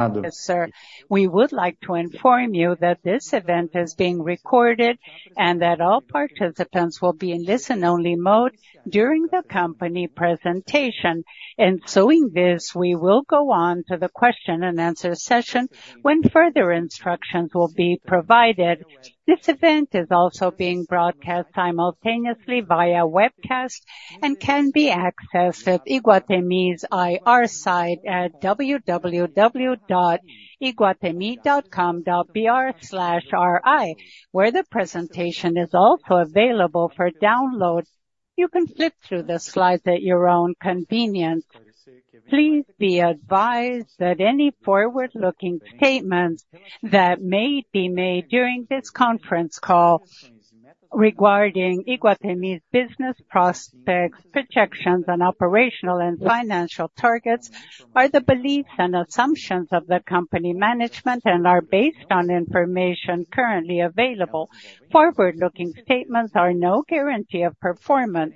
Yes, sir. We would like to inform you that this event is being recorded and that all participants will be in listen-only mode during the company presentation. In doing this, we will go on to the question-and-answer session when further instructions will be provided. This event is also being broadcast simultaneously via webcast and can be accessed at Iguatemi's IR site at www.iguatemi.com.br/ri, where the presentation is also available for download. You can flip through the slides at your own convenience. Please be advised that any forward-looking statements that may be made during this conference call regarding Iguatemi's business prospects, projections, and operational and financial targets are the beliefs and assumptions of the company management and are based on information currently available. Forward-looking statements are no guarantee of performance.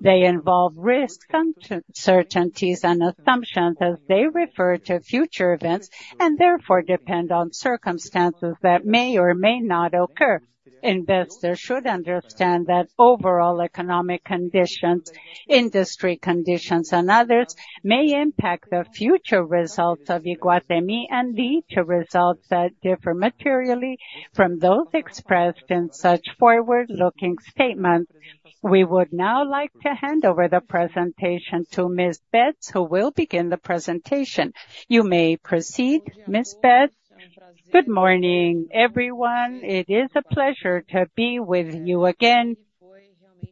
They involve risks, uncertainties, and assumptions as they refer to future events and therefore depend on circumstances that may or may not occur. Investors should understand that overall economic conditions, industry conditions, and others may impact the future results of Iguatemi and lead to results that differ materially from those expressed in such forward-looking statements. We would now like to hand over the presentation to Ms. Betts, who will begin the presentation. You may proceed, Ms. Betts. Good morning, everyone. It is a pleasure to be with you again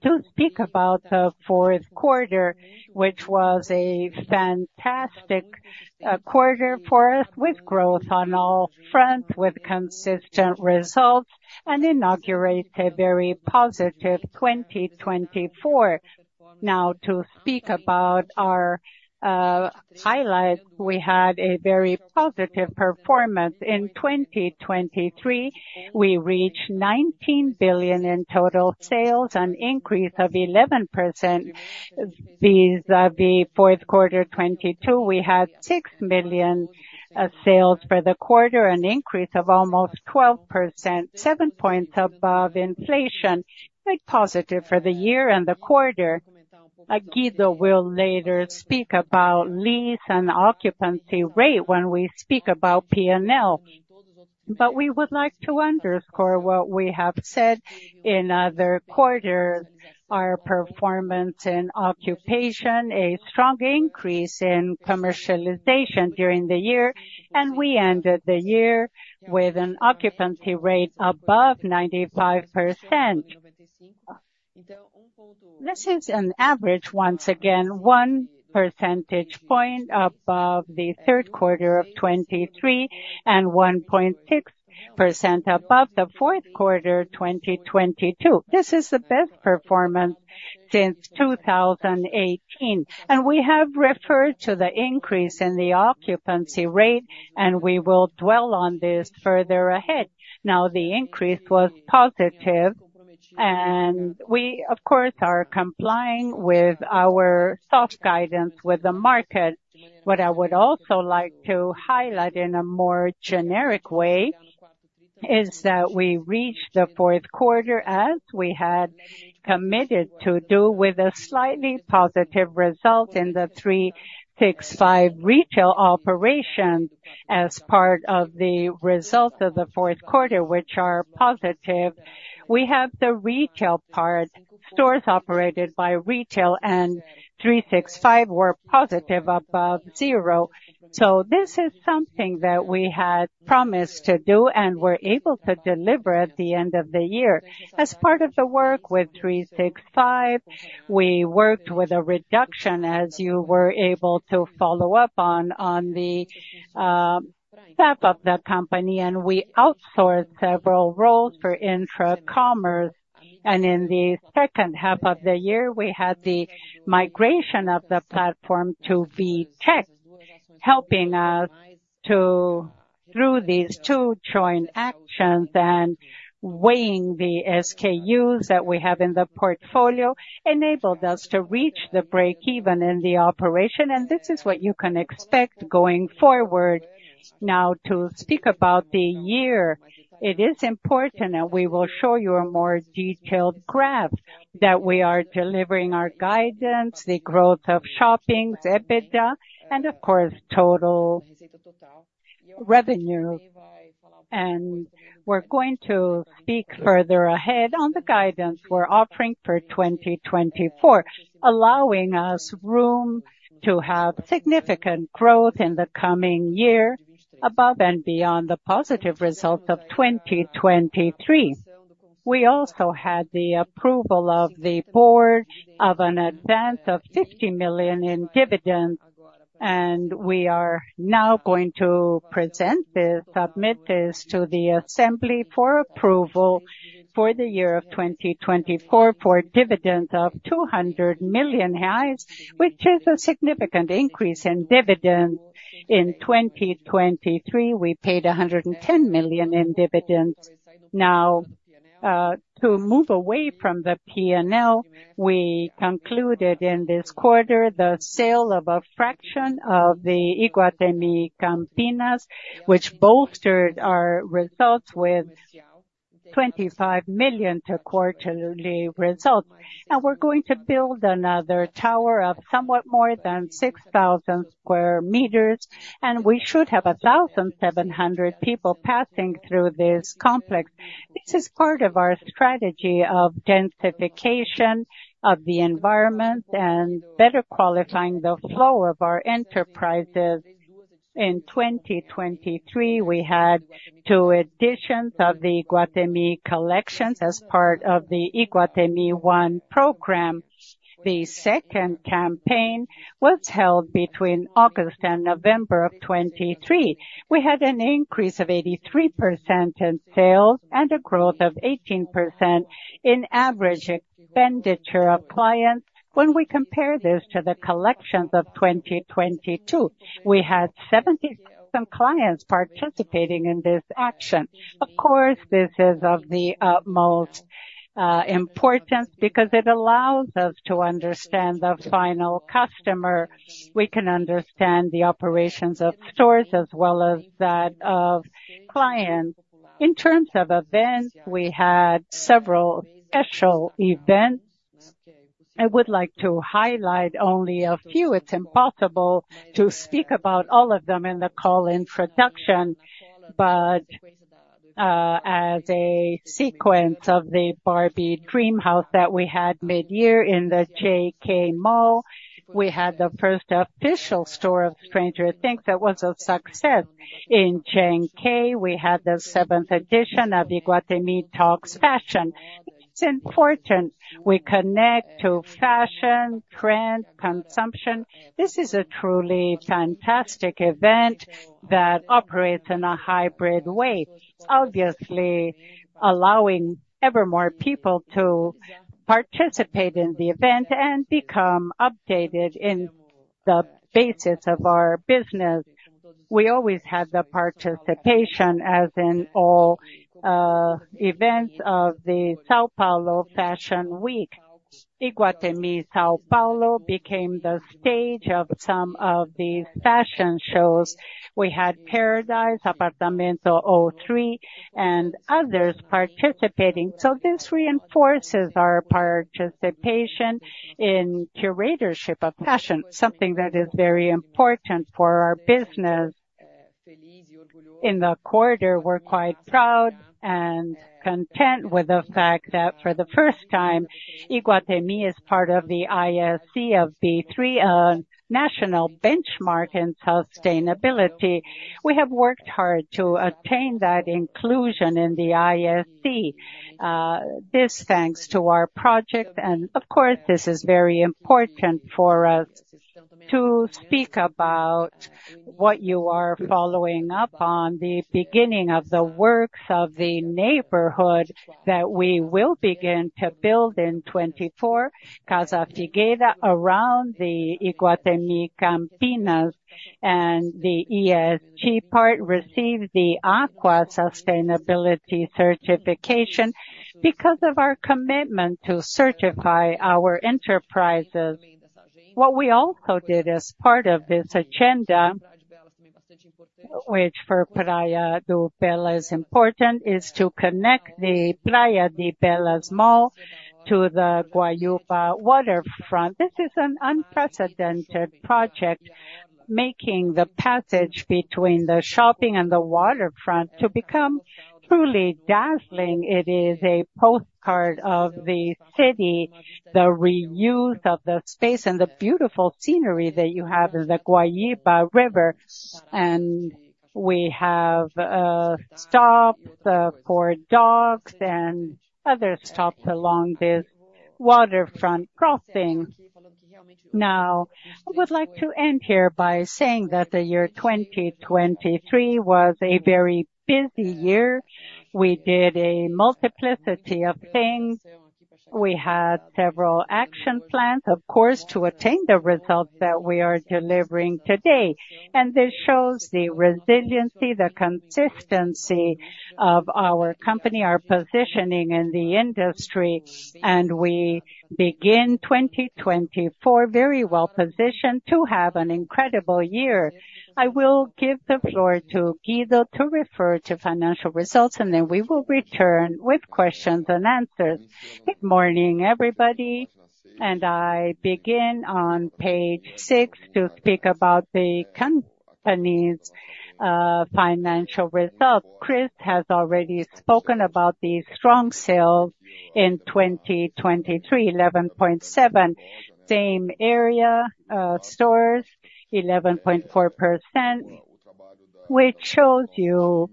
to speak about the fourth quarter, which was a fantastic quarter for us with growth on all fronts, with consistent results, and inaugurate a very positive 2024. Now, to speak about our highlights: we had a very positive performance in 2023. We reached 19 billion in total sales, an increase of 11% vis-à-vis fourth quarter 2022. We had 6 billion sales for the quarter, an increase of almost 12%, seven points above inflation. Quite positive for the year and the quarter. Guido will later speak about lease and occupancy rate when we speak about P&L. But we would like to underscore what we have said in other quarters: our performance in occupation, a strong increase in commercialization during the year, and we ended the year with an occupancy rate above 95%. This is an average, once again, one percentage point above the third quarter of 2023 and 1.6% above the fourth quarter 2022. This is the best performance since 2018. We have referred to the increase in the occupancy rate, and we will dwell on this further ahead. Now, the increase was positive, and we, of course, are complying with our soft guidance with the market. What I would also like to highlight in a more generic way is that we reached the fourth quarter as we had committed to do with a slightly positive result in the 365 retail operations as part of the results of the fourth quarter, which are positive. We have the retail part: stores operated by retail and 365 were positive above zero. So this is something that we had promised to do and were able to deliver at the end of the year. As part of the work with 365, we worked with a reduction, as you were able to follow up on, on the SAP of the company, and we outsourced several roles for Infracommerce. In the second half of the year, we had the migration of the platform to VTEX, helping us through these two joint actions and weighing the SKUs that we have in the portfolio, enabled us to reach the break-even in the operation. And this is what you can expect going forward. Now, to speak about the year, it is important, and we will show you a more detailed graph, that we are delivering our guidance, the growth of shoppings, EBITDA, and of course total revenue. And we're going to speak further ahead on the guidance we're offering for 2024, allowing us room to have significant growth in the coming year above and beyond the positive results of 2023. We also had the approval of the board of an advance of 50 million in dividends, and we are now going to present this, submit this to the assembly for approval for the year of 2024 for dividends of 200 million reais, which is a significant increase in dividends. In 2023, we paid 110 million in dividends. Now, to move away from the P&L, we concluded in this quarter the sale of a fraction of the Iguatemi Campinas, which bolstered our results with 25 million to quarterly results. We're going to build another tower of somewhat more than 6,000 square meters, and we should have 1,700 people passing through this complex. This is part of our strategy of densification of the environment and better qualifying the flow of our enterprises. In 2023, we had two additions of the Iguatemi Collections as part of the Iguatemi One program. The second campaign was held between August and November of 2023. We had an increase of 83% in sales and a growth of 18% in average expenditure of clients. When we compare this to the collections of 2022, we had 70,000 clients participating in this action. Of course, this is of the most importance because it allows us to understand the final customer. We can understand the operations of stores as well as that of clients. In terms of events, we had several special events. I would like to highlight only a few. It's impossible to speak about all of them in the call introduction, but as a sequence of the Barbie Dream House that we had midyear in the JK Mall, we had the first official store of Stranger Things that was a success in JK. We had the seventh edition of Iguatemi Talks Fashion. It's important. We connect to fashion, trend, consumption. This is a truly fantastic event that operates in a hybrid way, obviously allowing ever more people to participate in the event and become updated in the basis of our business. We always had the participation, as in all events of the São Paulo Fashion Week. Iguatemi São Paulo became the stage of some of these fashion shows. We had Paradise, Apartamento 03, and others participating. So this reinforces our participation in curatorship of fashion, something that is very important for our business. In the quarter, we're quite proud and content with the fact that for the first time, Iguatemi is part of the ISE B3, a national benchmark in sustainability. We have worked hard to attain that inclusion in the ISE B3. This is thanks to our project. Of course, this is very important for us to speak about what you are following up on: the beginning of the works of the neighborhood that we will begin to build in 2024. Casa Figueira, around the Iguatemi Campinas and the ESG part, received the AQUA Sustainability Certification because of our commitment to certify our enterprises. What we also did as part of this agenda, which for Praia de Belas is important, is to connect the Praia de Belas Mall to the Guaíba Waterfront. This is an unprecedented project, making the passage between the shopping and the waterfront to become truly dazzling. It is a postcard of the city, the reuse of the space, and the beautiful scenery that you have in the Guaíba River. We have stops for dogs and other stops along this waterfront crossing. Now, I would like to end here by saying that the year 2023 was a very busy year. We did a multiplicity of things. We had several action plans, of course, to attain the results that we are delivering today. And this shows the resiliency, the consistency of our company, our positioning in the industry. And we begin 2024 very well positioned to have an incredible year. I will give the floor to Guido to refer to financial results, and then we will return with questions and answers. Good morning, everybody. And I begin on page 6 to speak about the company's financial results. Chris has already spoken about the strong sales in 2023, 11.7%. Same area, stores, 11.4%, which shows you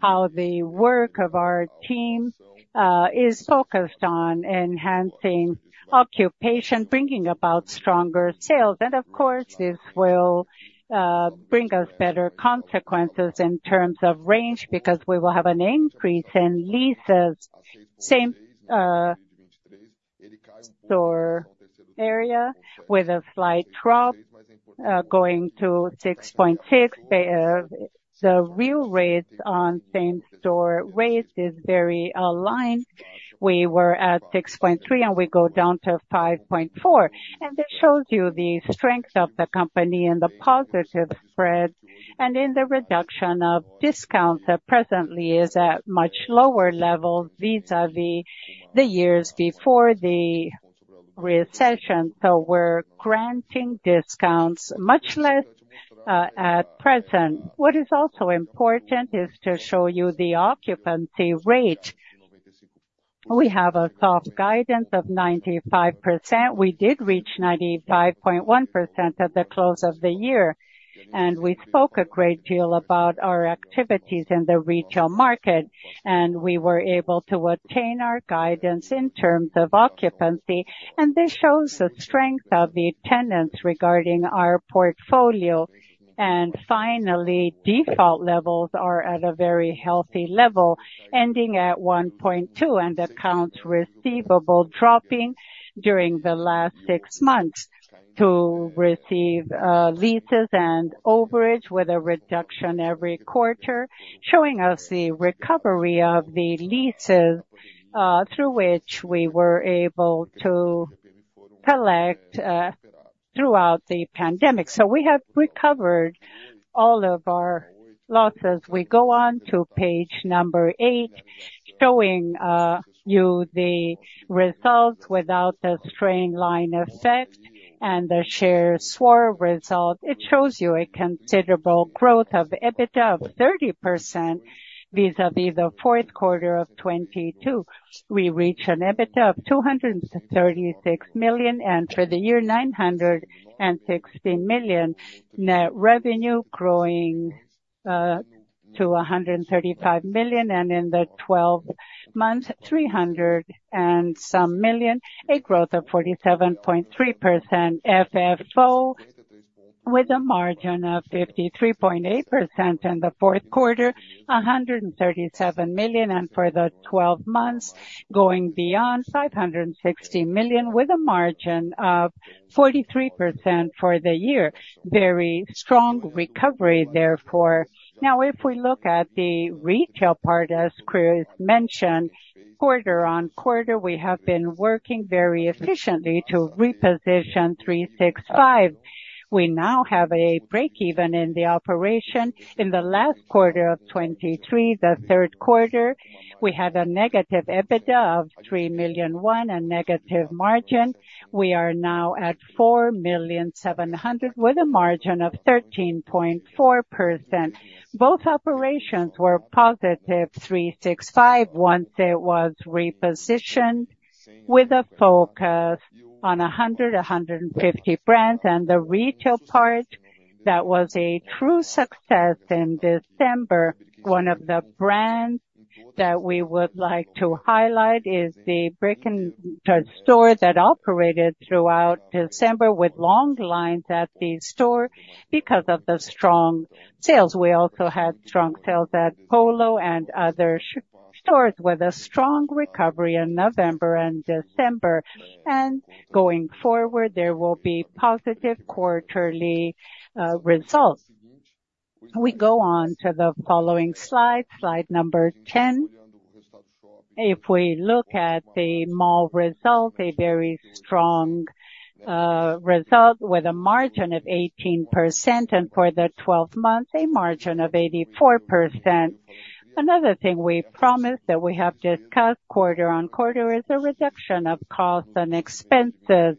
how the work of our team is focused on enhancing occupation, bringing about stronger sales. Of course, this will bring us better consequences in terms of range because we will have an increase in leases. Same store area with a slight drop, going to 6.6%. The real rates on same store rates are very aligned. We were at 6.3%, and we go down to 5.4%. This shows you the strength of the company in the positive spread and in the reduction of discounts that presently is at much lower levels vis-à-vis the years before the recession. So we're granting discounts much less at present. What is also important is to show you the occupancy rate. We have a soft guidance of 95%. We did reach 95.1% at the close of the year. We spoke a great deal about our activities in the retail market, and we were able to attain our guidance in terms of occupancy. This shows the strength of the tenants regarding our portfolio. Finally, default levels are at a very healthy level, ending at 1.2%, and accounts receivable dropping during the last six months to receive leases and overage with a reduction every quarter, showing us the recovery of the leases through which we were able to collect throughout the pandemic. So we have recovered all of our losses. We go on to page number 8, showing you the results without the straight-line effect and the same-store result. It shows you a considerable growth of EBITDA of 30% vis-à-vis the fourth quarter of 2022. We reach an EBITDA of 236 million and for the year, 916 million net revenue, growing to 135 million. And in the 12 months, 300 and some million, a growth of 47.3%. FFO with a margin of 53.8% in the fourth quarter, 137 million. For the 12 months, going beyond, 560 million with a margin of 43% for the year. Very strong recovery, therefore. Now, if we look at the retail part, as Chris mentioned, quarter-on-quarter, we have been working very efficiently to reposition 365. We now have a break-even in the operation. In the last quarter of 2023, the third quarter, we had a negative EBITDA of BRL 3.01 million, a negative margin. We are now at 4.7 million with a margin of 13.4%. Both operations were positive. 365 once it was repositioned with a focus on 100, 150 brands. And the retail part, that was a true success in December. One of the brands that we would like to highlight is the Birkenstock store that operated throughout December with long lines at the store because of the strong sales. We also had strong sales at Polo and other stores with a strong recovery in November and December. Going forward, there will be positive quarterly results. We go on to the following slide, slide number 10. If we look at the mall result, a very strong result with a margin of 18%. For the 12 months, a margin of 84%. Another thing we promised that we have discussed quarter-on-quarter is a reduction of costs and expenses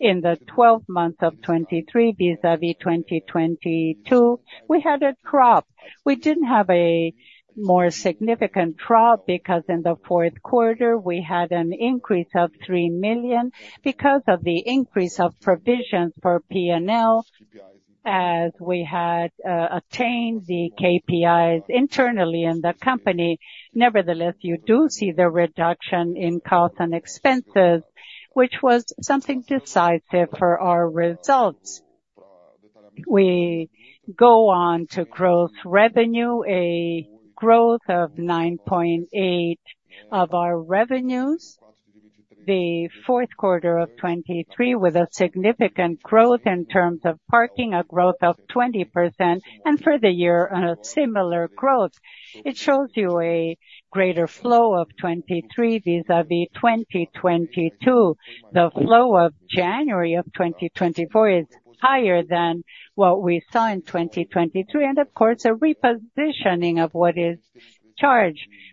in the 12 months of 2023 vis-à-vis 2022. We had a drop. We didn't have a more significant drop because in the fourth quarter, we had an increase of 3 million because of the increase of provisions for P&L as we had attained the KPIs internally in the company. Nevertheless, you do see the reduction in costs and expenses, which was something decisive for our results. We go on to growth revenue, a growth of 9.8% of our revenues the fourth quarter of 2023 with a significant growth in terms of parking, a growth of 20%, and for the year, a similar growth. It shows you a greater flow of 2023 vis-à-vis 2022. The flow of January of 2024 is higher than what we saw in 2023. And of course, a repositioning of what is charged.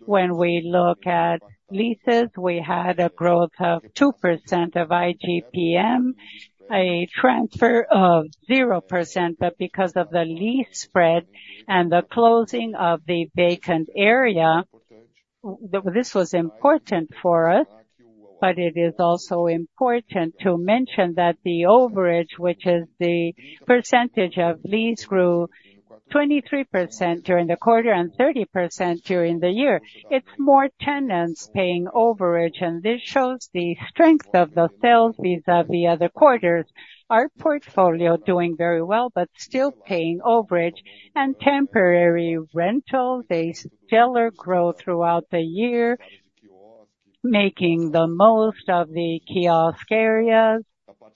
When we look at leases, we had a growth of 2% of IGPM, a transfer of 0%. But because of the lease spread and the closing of the vacant area, this was important for us. But it is also important to mention that the overage, which is the percentage of lease, grew 23% during the quarter and 30% during the year. It's more tenants paying overage. And this shows the strength of the sales vis-à-vis other quarters. Our portfolio is doing very well but still paying overage and temporary rentals. A stellar growth throughout the year, making the most of the kiosk areas,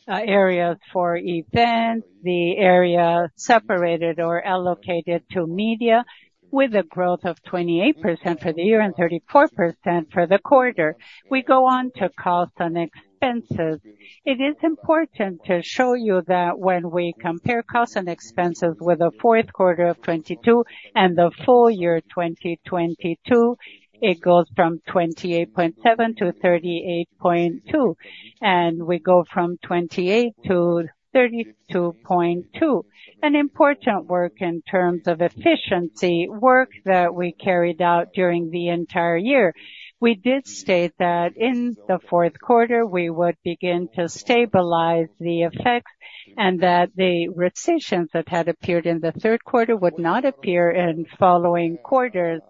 areas for events, the area separated or allocated to media with a growth of 28% for the year and 34% for the quarter. We go on to costs and expenses. It is important to show you that when we compare costs and expenses with the fourth quarter of 2022 and the full year 2022, it goes from 28.7% to 38.2%. We go from 28% to 32.2%. An important work in terms of efficiency, work that we carried out during the entire year. We did state that in the fourth quarter, we would begin to stabilize the effects and that the recessions that had appeared in the third quarter would not appear in following quarters.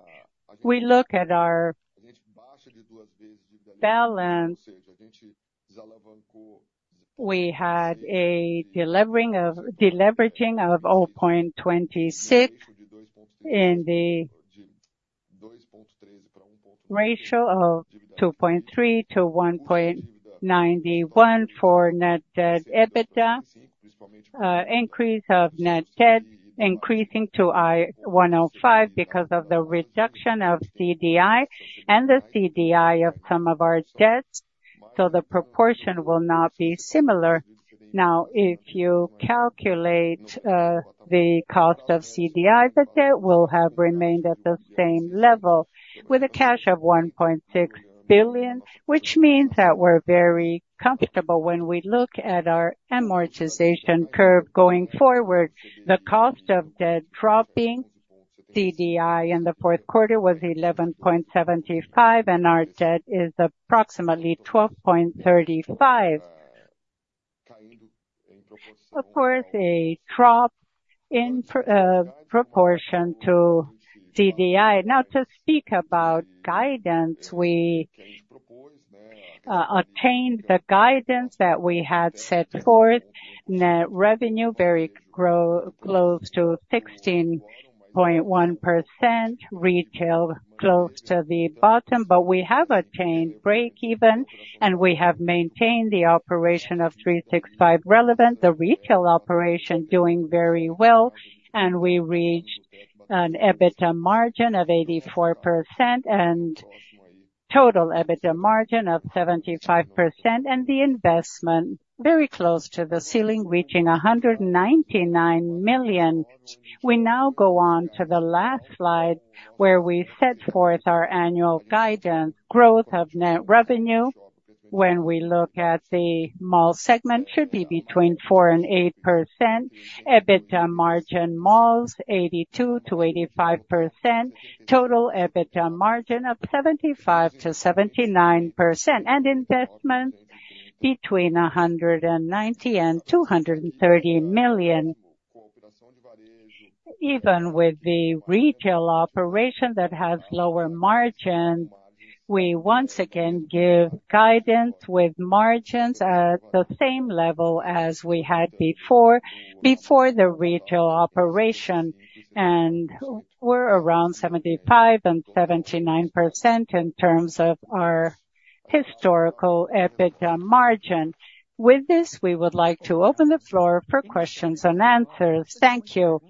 We look at our balance. We had a deleveraging of 0.26% in the ratio of 2.3%-1.91% for Net Debt/EBITDA, increase of net debt increasing to 105% because of the reduction of CDI and the CDI of some of our debts. So the proportion will not be similar. Now, if you calculate the cost of CDI, the debt will have remained at the same level with a cash of 1.6 billion, which means that we're very comfortable. When we look at our amortization curve going forward, the cost of debt dropping, CDI in the fourth quarter was 11.75%, and our debt is approximately 12.35%. Of course, a drop in proportion to CDI. Now, to speak about guidance, we attained the guidance that we had set forth. Net revenue very close to 16.1%, retail close to the bottom. We have attained break-even, and we have maintained the operation of 365 relevant, the retail operation doing very well. We reached an EBITDA margin of 84% and total EBITDA margin of 75%, and the investment very close to the ceiling, reaching 199 million. We now go on to the last slide where we set forth our annual guidance. Growth of net revenue when we look at the mall segment should be between 4% and 8%. EBITDA margin, malls 82%-85%, total EBITDA margin of 75%-79%, and investments between 190-230 million. Even with the retail operation that has lower margins, we once again give guidance with margins at the same level as we had before the retail operation. We're around 75% and 79% in terms of our historical EBITDA margin. With this, we would like to open the floor for questions and answers. Thank you.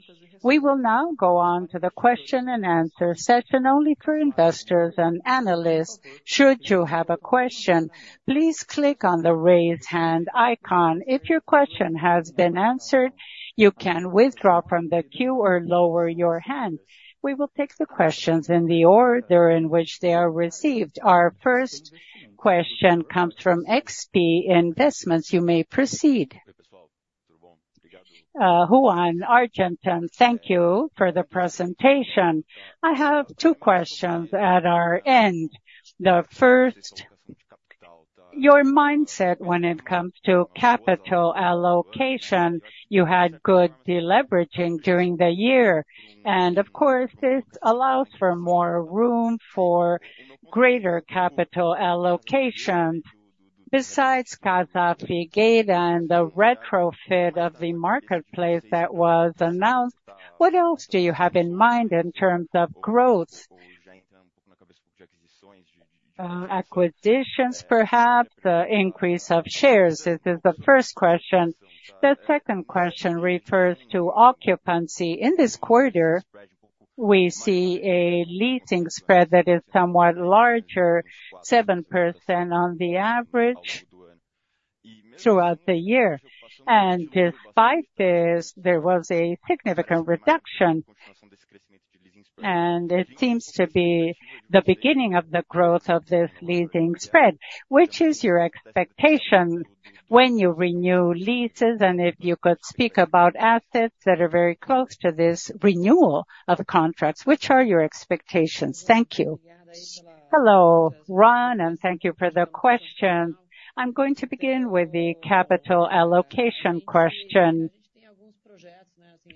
We will now go on to the question and answer session only for investors and analysts. Should you have a question, please click on the raise hand icon. If your question has been answered, you can withdraw from the queue or lower your hand. We will take the questions in the order in which they are received. Our first question comes from XP Investments. You may proceed. Ygor Altero, thank you for the presentation. I have two questions at our end. The first, your mindset when it comes to capital allocation. You had good deleveraging during the year. And of course, this allows for more room for greater capital allocations. Besides Casa Figueira and the retrofit of the Market Place that was announced, what else do you have in mind in terms of growth? Acquisitions, perhaps? Increase of shares? This is the first question. The second question refers to occupancy. In this quarter, we see a leasing spread that is somewhat larger, 7% on the average throughout the year. And despite this, there was a significant reduction. And it seems to be the beginning of the growth of this leasing spread. Which is your expectation when you renew leases? And if you could speak about assets that are very close to this renewal of contracts, which are your expectations? Thank you. Hello, Juan, and thank you for the questions. I'm going to begin with the capital allocation question.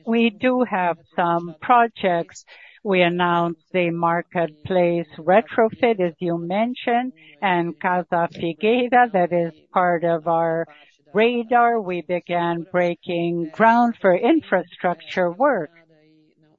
We do have some projects. We announced the Market Place retrofit, as you mentioned, and Casa Figueira that is part of our radar. We began breaking ground for infrastructure work.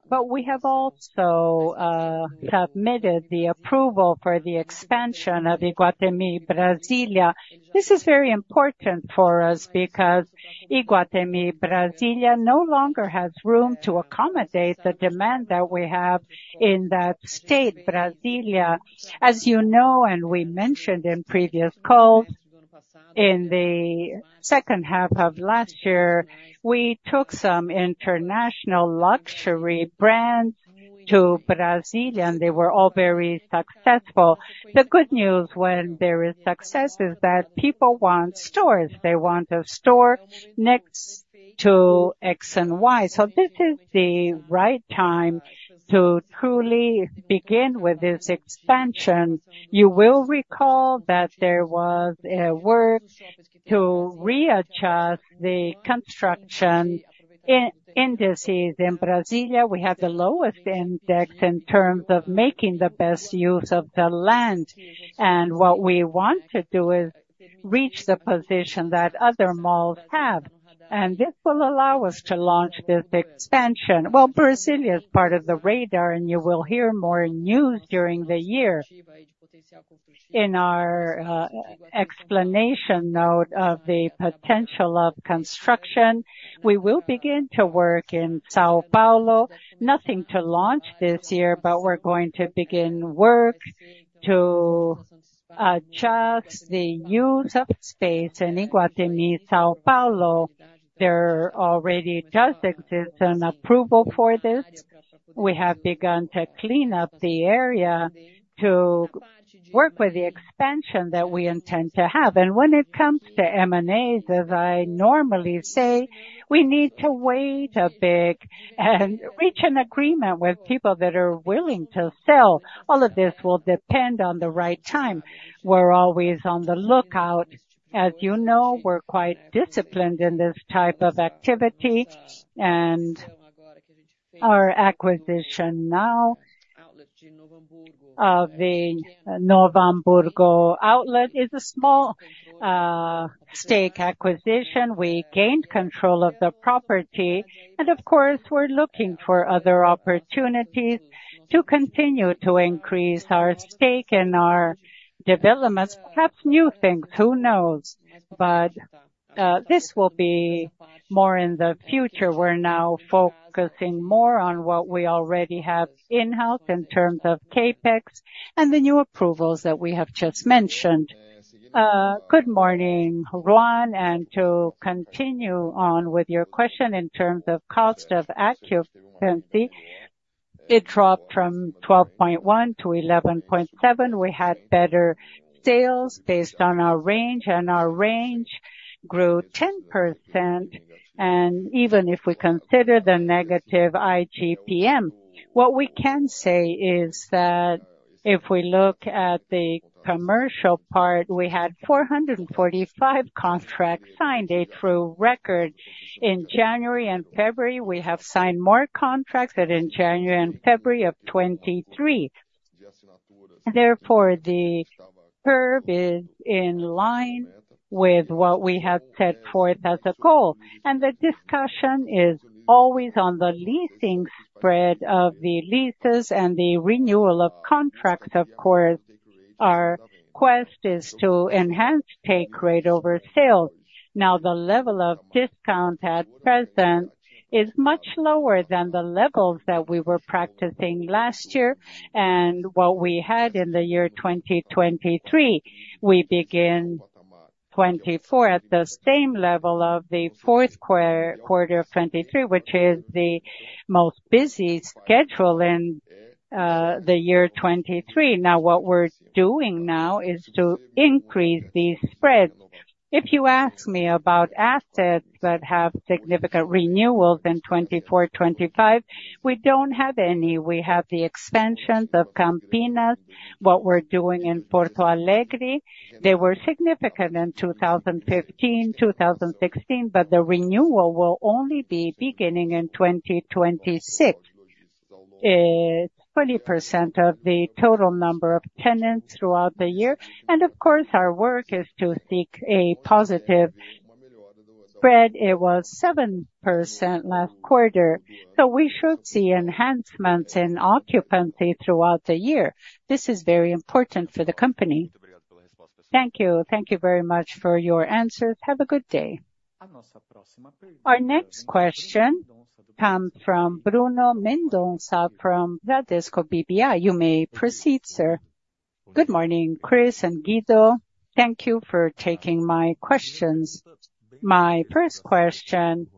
But we have also submitted the approval for the expansion of Iguatemi Brasília. This is very important for us because Iguatemi Brasília no longer has room to accommodate the demand that we have in that state, Brasília. As you know, and we mentioned in previous calls, in the second half of last year, we took some international luxury brands to Brasília, and they were all very successful. The good news when there is success is that people want stores. They want a store next to X and Y. So this is the right time to truly begin with this expansion. You will recall that there was work to readjust the construction indices in Brasília. We have the lowest index in terms of making the best use of the land. And what we want to do is reach the position that other malls have. And this will allow us to launch this expansion. Well, Brasília is part of the radar, and you will hear more news during the year. In our explanation note of the potential of construction, we will begin to work in São Paulo. Nothing to launch this year, but we're going to begin work to adjust the use of space in Iguatemi São Paulo. There already does exist an approval for this. We have begun to clean up the area to work with the expansion that we intend to have. And when it comes to M&As, as I normally say, we need to wait a bit and reach an agreement with people that are willing to sell. All of this will depend on the right time. We're always on the lookout. As you know, we're quite disciplined in this type of activity. Our acquisition now of the Novo Hamburgo outlet is a small stake acquisition. We gained control of the property. And of course, we're looking for other opportunities to continue to increase our stake in our developments, perhaps new things. Who knows? But this will be more in the future. We're now focusing more on what we already have in-house in terms of CapEx and the new approvals that we have just mentioned. Good morning, Juan. And to continue on with your question in terms of cost of occupancy, it dropped from 12.1% to 11.7%. We had better sales based on our range, and our range grew 10%. And even if we consider the negative IGPM, what we can say is that if we look at the commercial part, we had 445 contracts signed, a true record. In January and February, we have signed more contracts than in January and February of 2023. Therefore, the curve is in line with what we had set forth as a goal. And the discussion is always on the leasing spread of the leases and the renewal of contracts. Of course, our quest is to enhance take rate over sales. Now, the level of discount at present is much lower than the levels that we were practicing last year and what we had in the year 2023. We begin 2024 at the same level of the fourth quarter of 2023, which is the most busy schedule in the year 2023. Now, what we're doing now is to increase these spreads. If you ask me about assets that have significant renewals in 2024, 2025, we don't have any. We have the expansions of Campinas, what we're doing in Porto Alegre. They were significant in 2015, 2016, but the renewal will only be beginning in 2026. It's 20% of the total number of tenants throughout the year. And of course, our work is to seek a positive spread. It was 7% last quarter. So we should see enhancements in occupancy throughout the year. This is very important for the company. Thank you. Thank you very much for your answers. Have a good day. Our next question comes from Bruno Mendonça from Bradesco BBI. You may proceed, sir. Good morning, Chris and Guido. Thank you for taking my questions. My first question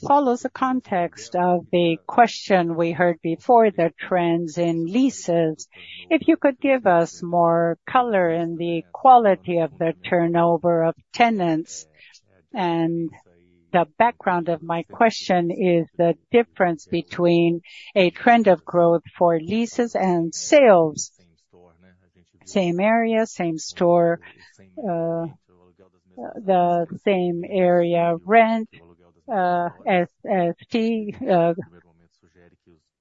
follows the context of the question we heard before, the trends in leases. If you could give us more color in the quality of the turnover of tenants. And the background of my question is the difference between a trend of growth for leases and sales. Same area, same store. The same area. Rent, SSR,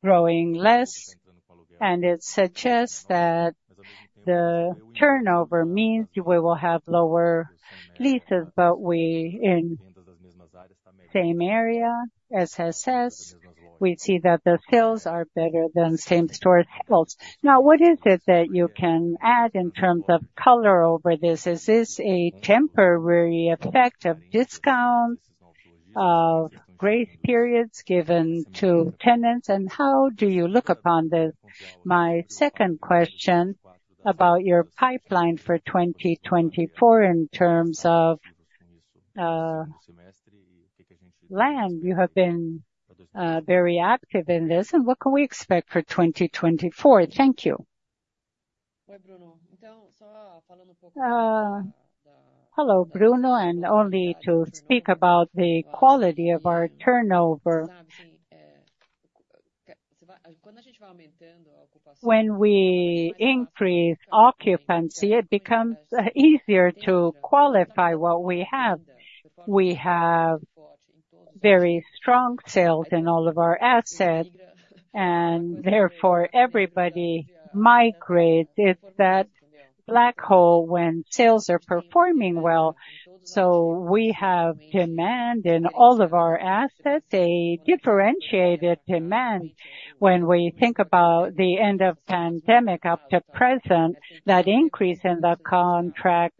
growing less. It suggests that the turnover means we will have lower leases, but we in same area, SSS, we see that the sales are better than same store sales. Now, what is it that you can add in terms of color over this? Is this a temporary effect of discounts, of grace periods given to tenants? And how do you look upon this? My second question about your pipeline for 2024 in terms of land. You have been very active in this. And what can we expect for 2024? Thank you. Hello, Bruno. And only to speak about the quality of our turnover. When we increase occupancy, it becomes easier to qualify what we have. We have very strong sales in all of our assets, and therefore everybody migrates. It's that black hole when sales are performing well. So we have demand in all of our assets, a differentiated demand. When we think about the end of the pandemic up to present, that increase in the contracts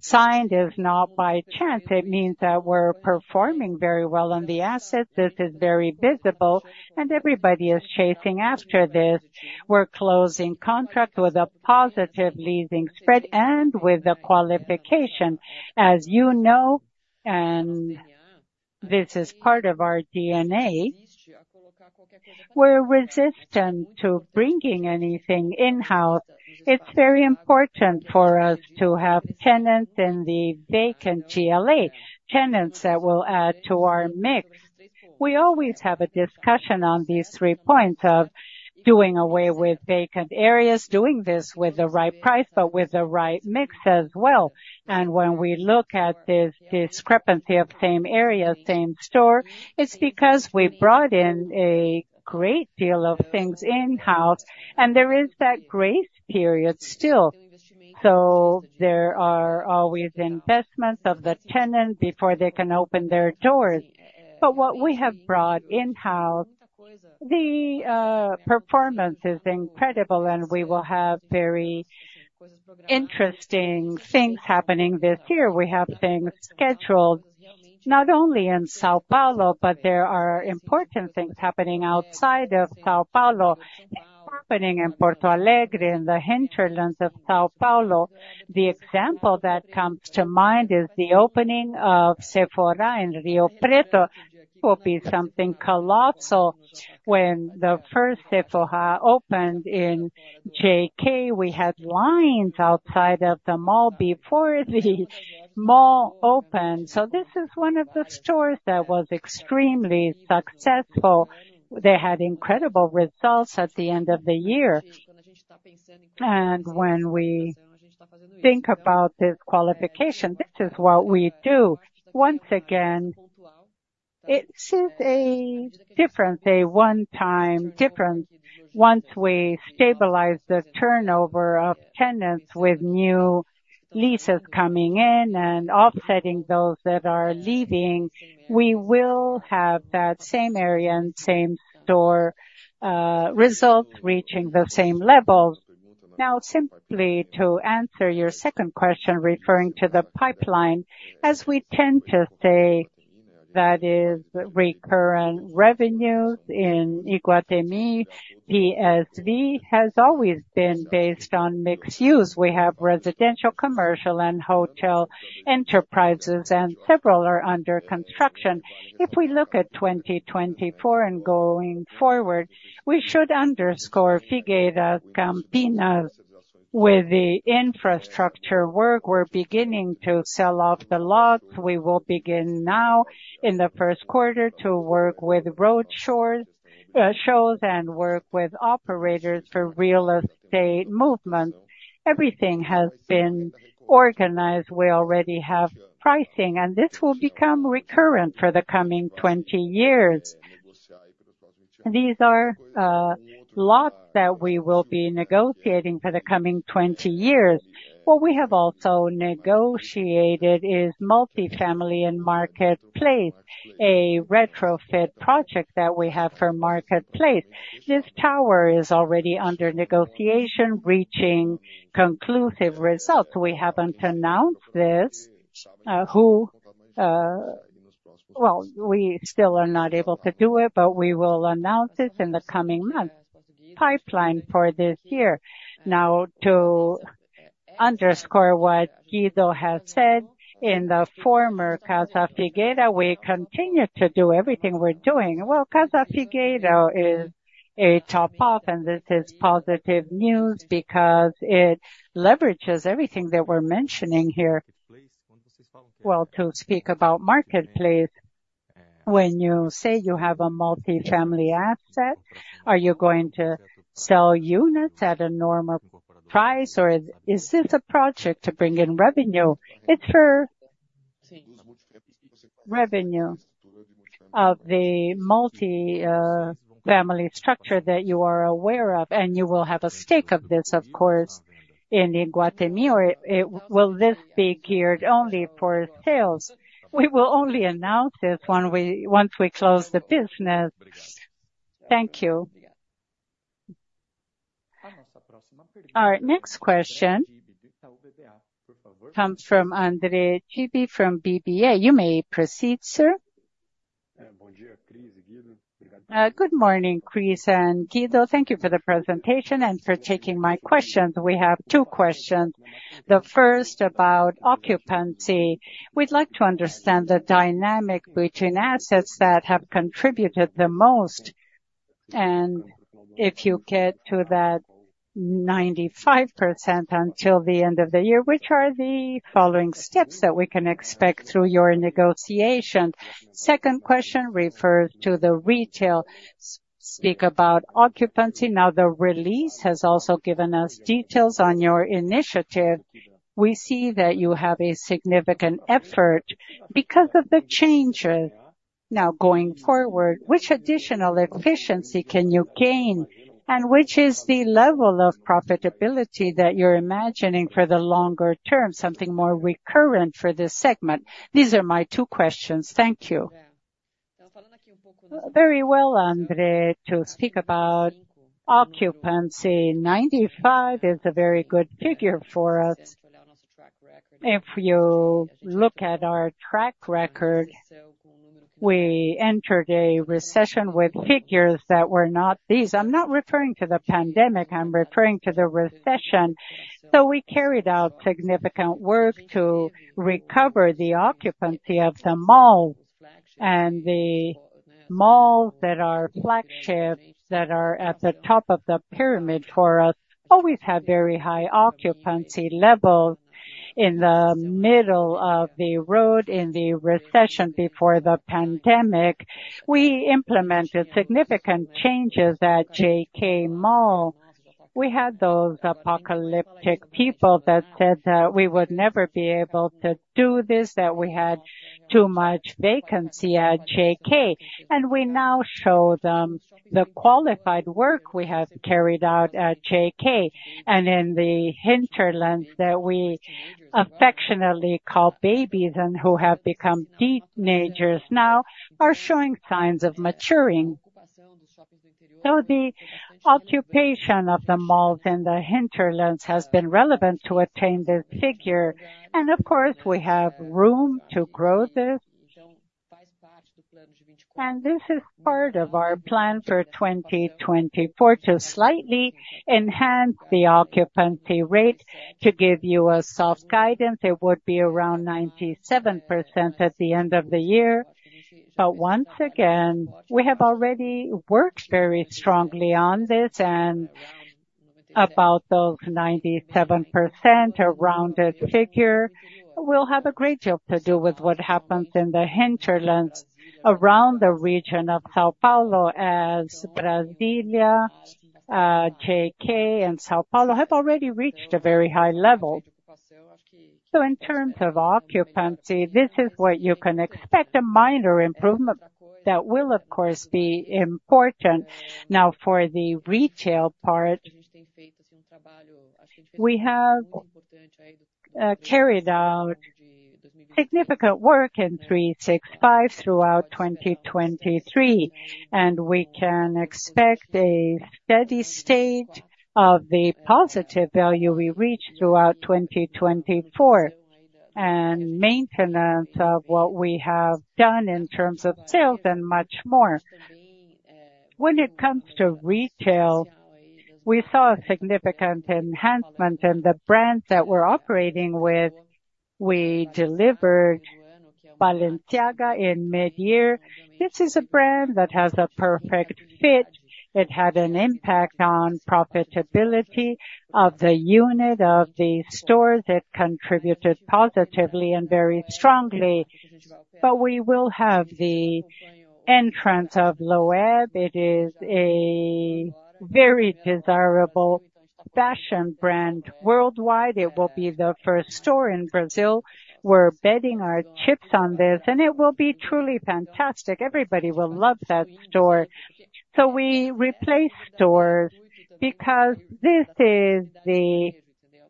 signed is not by chance. It means that we're performing very well on the assets. This is very visible, and everybody is chasing after this. We're closing contracts with a positive Leasing Spread and with the qualification. As you know, and this is part of our DNA, we're resistant to bringing anything in-house. It's very important for us to have tenants in the vacant GLA, tenants that will add to our mix. We always have a discussion on these three points of doing away with vacant areas, doing this with the right price, but with the right mix as well. When we look at this discrepancy of same area, same store, it's because we brought in a great deal of things in-house, and there is that grace period still. There are always investments of the tenant before they can open their doors. But what we have brought in-house, the performance is incredible, and we will have very interesting things happening this year. We have things scheduled not only in São Paulo, but there are important things happening outside of São Paulo, happening in Porto Alegre, in the hinterlands of São Paulo. The example that comes to mind is the opening of Sephora in Rio Preto. It will be something colossal. When the first Sephora opened in JK, we had lines outside of the mall before the mall opened. So this is one of the stores that was extremely successful. They had incredible results at the end of the year. When we think about this qualification, this is what we do. Once again, this is a difference, a one-time difference. Once we stabilize the turnover of tenants with new leases coming in and offsetting those that are leaving, we will have that same area and same store results reaching the same levels. Now, simply to answer your second question referring to the pipeline, as we tend to say, that is recurrent revenues in Iguatemi, PSV has always been based on mixed use. We have residential, commercial, and hotel enterprises, and several are under construction. If we look at 2024 and going forward, we should underscore Casa Figueira, Campinas. With the infrastructure work, we're beginning to sell off the lots. We will begin now in the first quarter to work with road shows and work with operators for real estate movements. Everything has been organized. We already have pricing, and this will become recurrent for the coming 20 years. These are lots that we will be negotiating for the coming 20 years. What we have also negotiated is multifamily in Market Place, a retrofit project that we have for Market Place. This tower is already under negotiation, reaching conclusive results. We haven't announced this. Well, we still are not able to do it, but we will announce it in the coming months. Pipeline for this year. Now, to underscore what Guido has said, in the former Casa Figueira, we continue to do everything we're doing. Well, Casa Figueira is a top-off, and this is positive news because it leverages everything that we're mentioning here. Well, to speak about Market Place, when you say you have a multifamily asset, are you going to sell units at a normal price, or is this a project to bring in revenue? It's for revenue of the multifamily structure that you are aware of, and you will have a stake of this, of course, in Iguatemi. Or will this be geared only for sales? We will only announce this once we close the business. Thank you. Our next question comes from André Dibe from BBI. You may proceed, sir. Good morning, Chris and Guido. Thank you for the presentation and for taking my questions. We have two questions. The first about occupancy. We'd like to understand the dynamic between assets that have contributed the most. If you get to that 95% until the end of the year, which are the following steps that we can expect through your negotiation? Second question refers to the retail. Speak about occupancy. Now, the release has also given us details on your initiative. We see that you have a significant effort because of the changes. Now, going forward, which additional efficiency can you gain, and which is the level of profitability that you're imagining for the longer term, something more recurrent for this segment? These are my two questions. Thank you. Very well, André. To speak about occupancy, 95% is a very good figure for us. If you look at our track record, we entered a recession with figures that were not these. I'm not referring to the pandemic. I'm referring to the recession. So we carried out significant work to recover the occupancy of the mall. And the malls that are flagship, that are at the top of the pyramid for us, always have very high occupancy levels. In the middle of the road, in the recession before the pandemic, we implemented significant changes at JK Mall. We had those apocalyptic people that said that we would never be able to do this, that we had too much vacancy at JK. We now show them the qualified work we have carried out at JK. In the hinterlands that we affectionately call babies and who have become teenagers now are showing signs of maturing. The occupation of the malls in the hinterlands has been relevant to attain this figure. Of course, we have room to grow this. This is part of our plan for 2024 to slightly enhance the occupancy rate. To give you a soft guidance, it would be around 97% at the end of the year. But once again, we have already worked very strongly on this. About those 97%, a rounded figure, will have a great deal to do with what happens in the hinterlands around the region of São Paulo, as Brasília, JK, and São Paulo have already reached a very high level. In terms of occupancy, this is what you can expect, a minor improvement that will, of course, be important. Now, for the retail part, we have carried out significant work in 365 throughout 2023. We can expect a steady state of the positive value we reached throughout 2024 and maintenance of what we have done in terms of sales and much more. When it comes to retail, we saw a significant enhancement in the brands that we're operating with. We delivered Balenciaga in mid-year. This is a brand that has a perfect fit. It had an impact on profitability of the unit, of the stores. It contributed positively and very strongly. We will have the entrance of Loewe. It is a very desirable fashion brand worldwide. It will be the first store in Brazil. We're betting our chips on this, and it will be truly fantastic. Everybody will love that store. We replace stores because this is the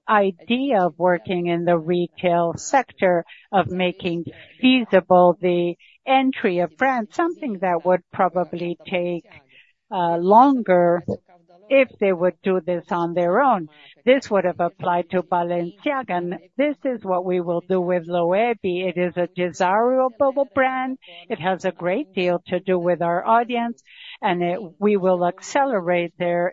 idea of working in the retail sector, of making feasible the entry of brands, something that would probably take longer if they would do this on their own. This would have applied to Balenciaga. This is what we will do with Loewe. It is a desirable brand. It has a great deal to do with our audience, and we will accelerate their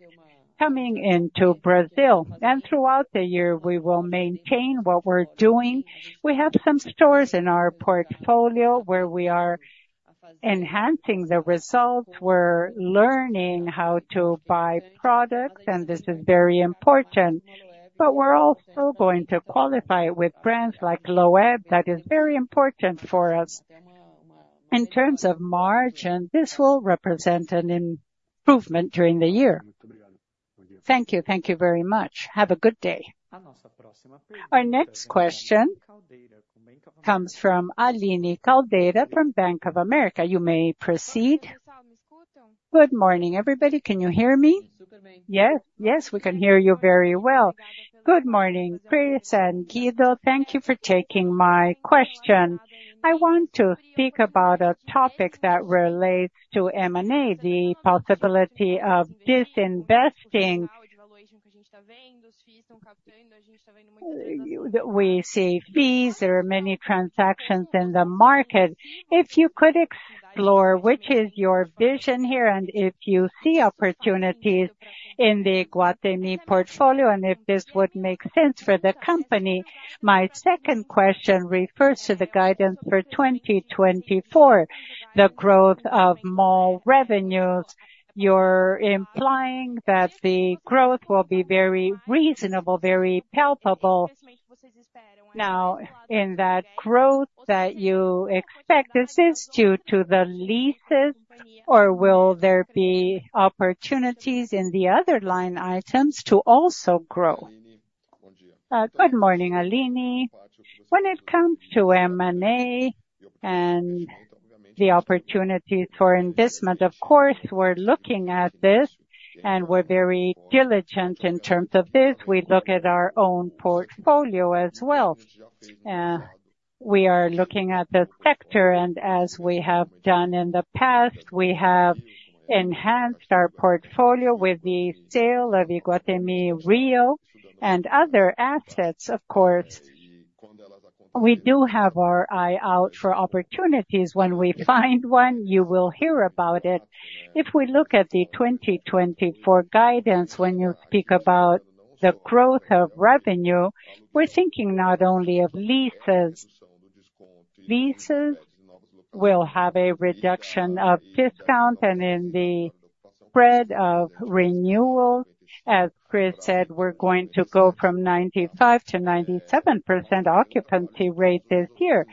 coming into Brazil. Throughout the year, we will maintain what we're doing. We have some stores in our portfolio where we are enhancing the results. We're learning how to buy products, and this is very important. But we're also going to qualify it with brands like Loewe. That is very important for us in terms of margin. This will represent an improvement during the year. Thank you. Thank you very much. Have a good day. Our next question comes from Aline Caldeira from Bank of America. You may proceed. Good morning, everybody. Can you hear me? Yes. Yes, we can hear you very well. Good morning, Chris and Guido. Thank you for taking my question. I want to speak about a topic that relates to M&A, the possibility of disinvesting. We see fees. There are many transactions in the market. If you could explore which is your vision here and if you see opportunities in the Iguatemi portfolio and if this would make sense for the company? My second question refers to the guidance for 2024, the growth of mall revenues. You're implying that the growth will be very reasonable, very palpable. Now, in that growth that you expect, is this due to the leases, or will there be opportunities in the other line items to also grow? Good morning, Aline. When it comes to M&A and the opportunities for investment, of course, we're looking at this and we're very diligent in terms of this. We look at our own portfolio as well. We are looking at the sector, and as we have done in the past, we have enhanced our portfolio with the sale of Iguatemi Rio and other assets, of course. We do have our eye out for opportunities. When we find one, you will hear about it. If we look at the 2024 guidance, when you speak about the growth of revenue, we're thinking not only of leases. Leases will have a reduction of discount and in the spread of renewal. As Chris said, we're going to go from 95%-97% occupancy rate this year.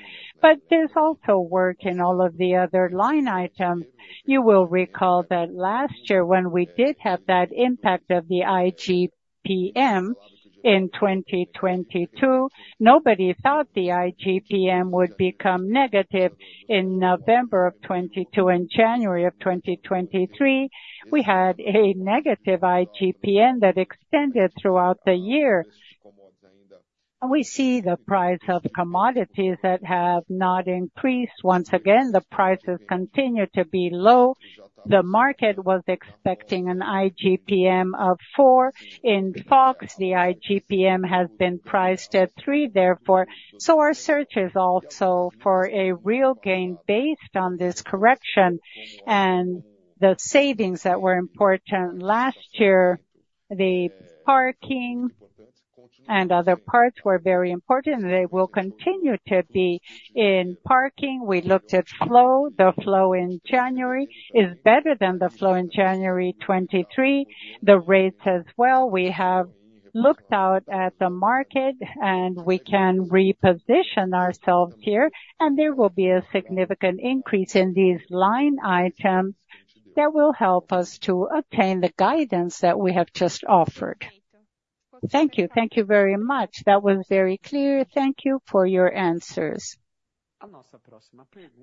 There's also work in all of the other line items. You will recall that last year when we did have that impact of the IGPM in 2022, nobody thought the IGPM would become negative. In November of 2022 and January of 2023, we had a negative IGPM that extended throughout the year. We see the price of commodities that have not increased. Once again, the prices continue to be low. The market was expecting an IGPM of 4%. In fact, the IGPM has been priced at 3%, therefore. So our search is also for a real gain based on this correction. The savings that were important last year, the parking and other parts were very important, and they will continue to be in parking. We looked at flow. The flow in January is better than the flow in January 2023. The rates as well. We have looked out at the market, and we can reposition ourselves here. There will be a significant increase in these line items that will help us to attain the guidance that we have just offered. Thank you. Thank you very much. That was very clear. Thank you for your answers.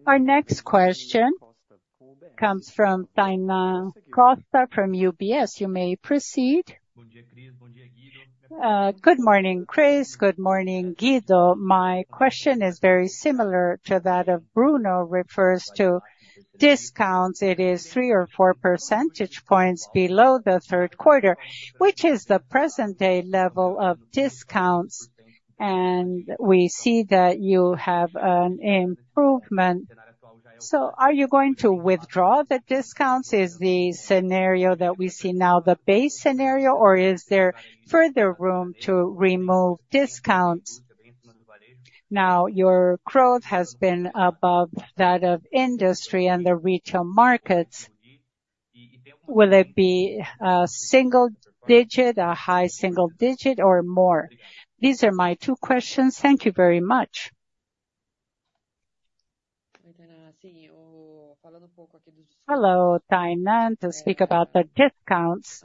Our next question comes from Tainá Costa from UBS. You may proceed. Good morning, Chris. Good morning, Guido. My question is very similar to that of Bruno. Refers to discounts. It is 3 or 4 percentage points below the third quarter. Which is the present-day level of discounts? And we see that you have an improvement. So are you going to withdraw the discounts? Is the scenario that we see now the base scenario, or is there further room to remove discounts? Now, your growth has been above that of industry and the retail markets. Will it be a single digit, a high single digit, or more? These are my two questions. Thank you very much. Hello, Tainá. To speak about the discounts.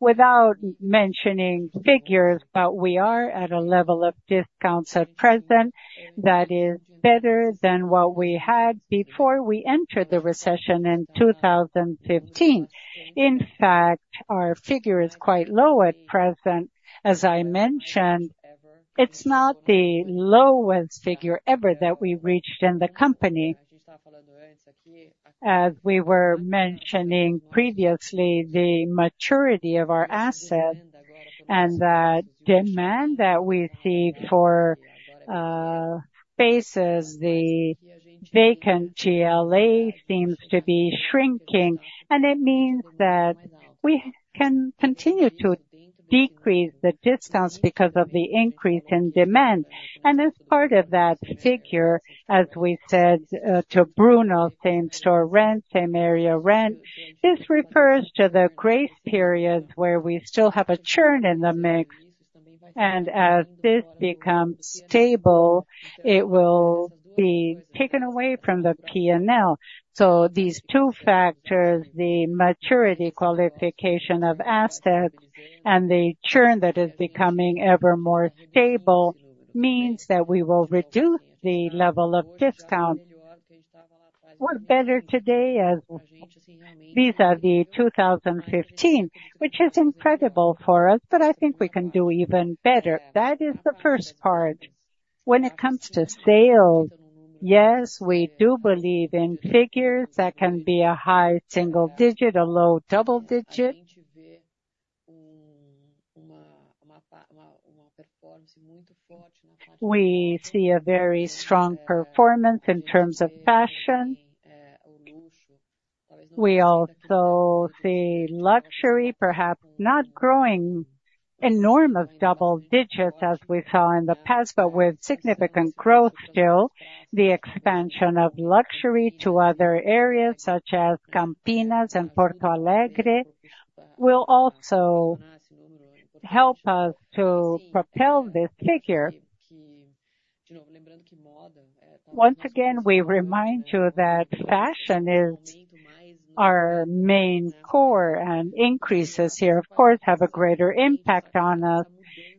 Without mentioning figures, but we are at a level of discounts at present that is better than what we had before we entered the recession in 2015. In fact, our figure is quite low at present. As I mentioned, it's not the lowest figure ever that we reached in the company. As we were mentioning previously, the maturity of our asset and the demand that we see for spaces, the vacant GLA seems to be shrinking. It means that we can continue to decrease the discounts because of the increase in demand. As part of that figure, as we said to Bruno, same store rent, same area rent, this refers to the grace periods where we still have a churn in the mix. As this becomes stable, it will be taken away from the P&L. So these two factors, the maturity qualification of assets and the churn that is becoming ever more stable, means that we will reduce the level of discount. We're better today as these are the 2015, which is incredible for us, but I think we can do even better. That is the first part. When it comes to sales, yes, we do believe in figures that can be a high single digit, a low double digit. We see a very strong performance in terms of fashion. We also see luxury, perhaps not growing enormous double digits as we saw in the past, but with significant growth still, the expansion of luxury to other areas such as Campinas and Porto Alegre will also help us to propel this figure. Once again, we remind you that fashion is our main core, and increases here, of course, have a greater impact on us.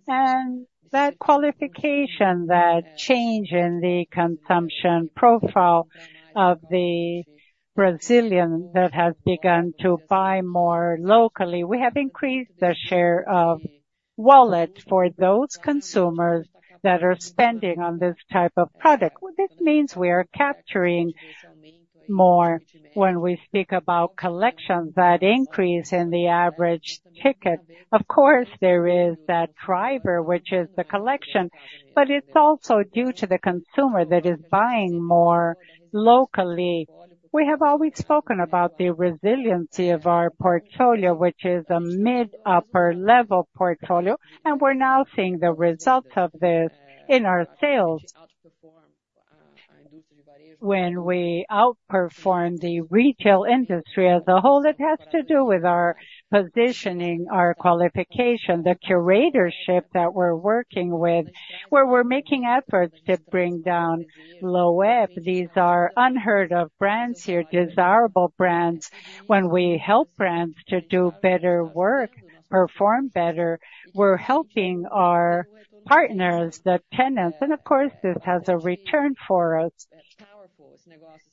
And that qualification, that change in the consumption profile of the Brazilian that has begun to buy more locally, we have increased the share of wallets for those consumers that are spending on this type of product. This means we are capturing more. When we speak about collections, that increase in the average ticket, of course, there is that driver, which is the collection. But it's also due to the consumer that is buying more locally. We have always spoken about the resiliency of our portfolio, which is a mid-upper level portfolio. And we're now seeing the results of this in our sales. When we outperform the retail industry as a whole, it has to do with our positioning, our qualification, the curatorship that we're working with, where we're making efforts to bring down Loewe. These are unheard-of brands here, desirable brands. When we help brands to do better work, perform better, we're helping our partners, the tenants. And of course, this has a return for us.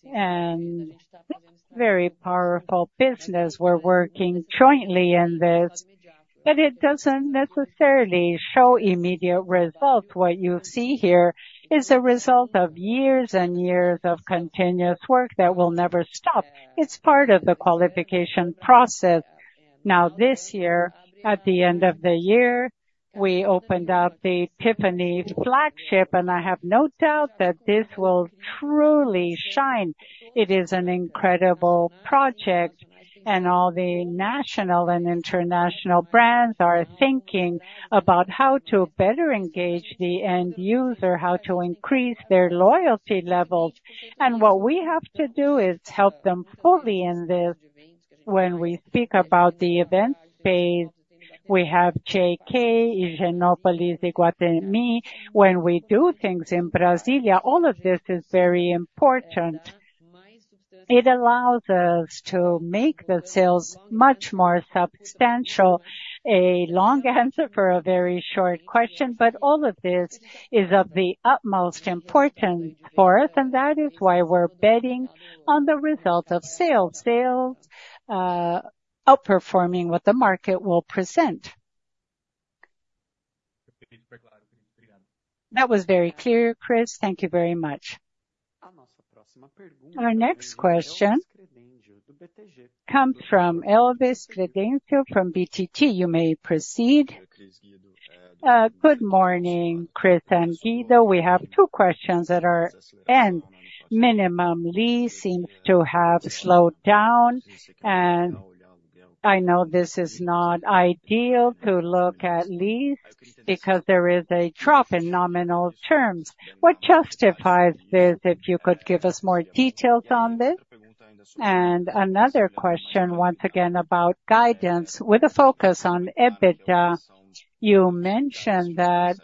And it's a very powerful business. We're working jointly in this, but it doesn't necessarily show immediate results. What you see here is a result of years and years of continuous work that will never stop. It's part of the qualification process. Now, this year, at the end of the year, we opened up the Tiffany flagship, and I have no doubt that this will truly shine. It is an incredible project, and all the national and international brands are thinking about how to better engage the end user, how to increase their loyalty levels. And what we have to do is help them fully in this. When we speak about the event space, we have JK, Higienópolis, Iguatemi. When we do things in Brasília, all of this is very important. It allows us to make the sales much more substantial. A long answer for a very short question, but all of this is of the utmost importance for us, and that is why we're betting on the results of sales, sales outperforming what the market will present. That was very clear, Chris. Thank you very much. Our next question comes from Elvis Credendio from BTG. You may proceed. Good morning, Chris and Guido. We have two questions that are. Minimum lease seems to have slowed down. I know this is not ideal to look at lease because there is a drop in nominal terms. What justifies this? If you could give us more details on this. Another question, once again, about guidance with a focus on EBITDA. You mentioned that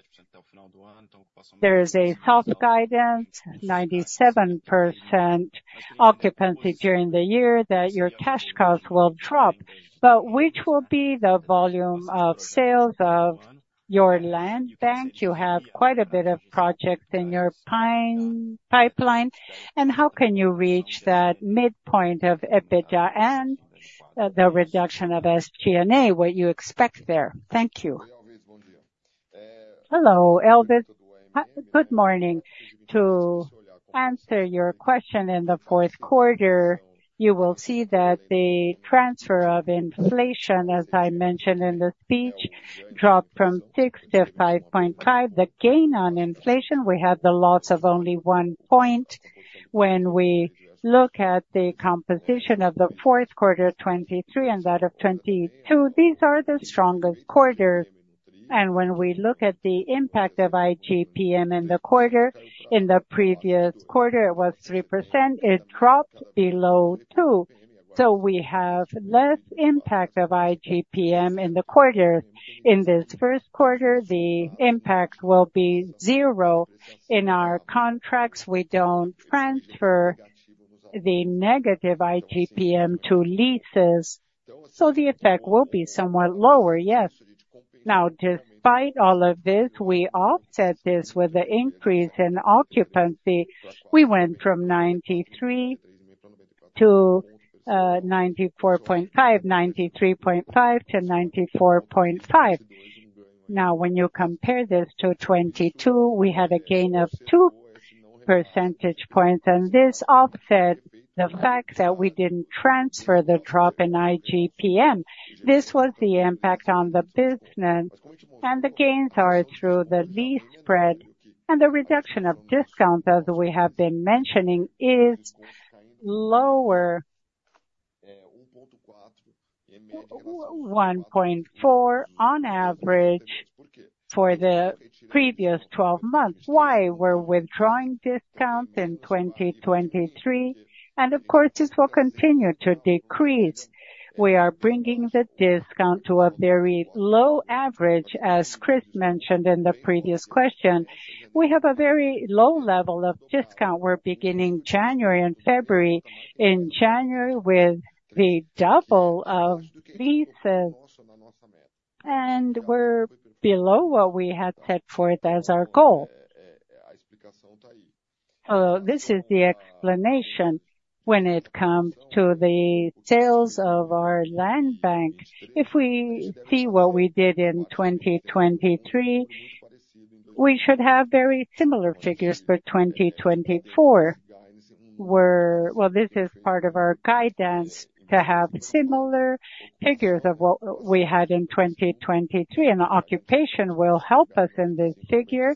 there is a soft guidance, 97% occupancy during the year, that your cash costs will drop. But which will be the volume of sales of your land bank? You have quite a bit of projects in your pipeline. And how can you reach that midpoint of EBITDA and the reduction of SG&A? What do you expect there? Thank you. Hello, Elvis. Good morning. To answer your question, in the fourth quarter, you will see that the transfer of inflation, as I mentioned in the speech, dropped from 6 to 5.5. The gain on inflation, we had the loss of only 1 point when we look at the composition of the fourth quarter 2023 and that of 2022. These are the strongest quarters. And when we look at the impact of IGPM in the quarter, in the previous quarter, it was 3%. It dropped below 2%. So we have less impact of IGPM in the quarters. In this first quarter, the impact will be zero. In our contracts, we don't transfer the negative IGPM to leases. So the effect will be somewhat lower, yes. Now, despite all of this, we offset this with the increase in occupancy. We went from 93 to 94.5, 93.5 to 94.5. Now, when you compare this to 2022, we had a gain of 2 percentage points, and this offset the fact that we didn't transfer the drop in IGPM. This was the impact on the business. And the gains are through the lease spread. And the reduction of discounts, as we have been mentioning, is lower, 1.4 on average for the previous 12 months. Why? We're withdrawing discounts in 2023, and of course, this will continue to decrease. We are bringing the discount to a very low average, as Chris mentioned in the previous question. We have a very low level of discount. We're beginning January and February. In January, we had the double of leases, and we're below what we had set forth as our goal. Hello. This is the explanation. When it comes to the sales of our land bank, if we see what we did in 2023, we should have very similar figures for 2024. Well, this is part of our guidance to have similar figures of what we had in 2023. Occupation will help us in this figure.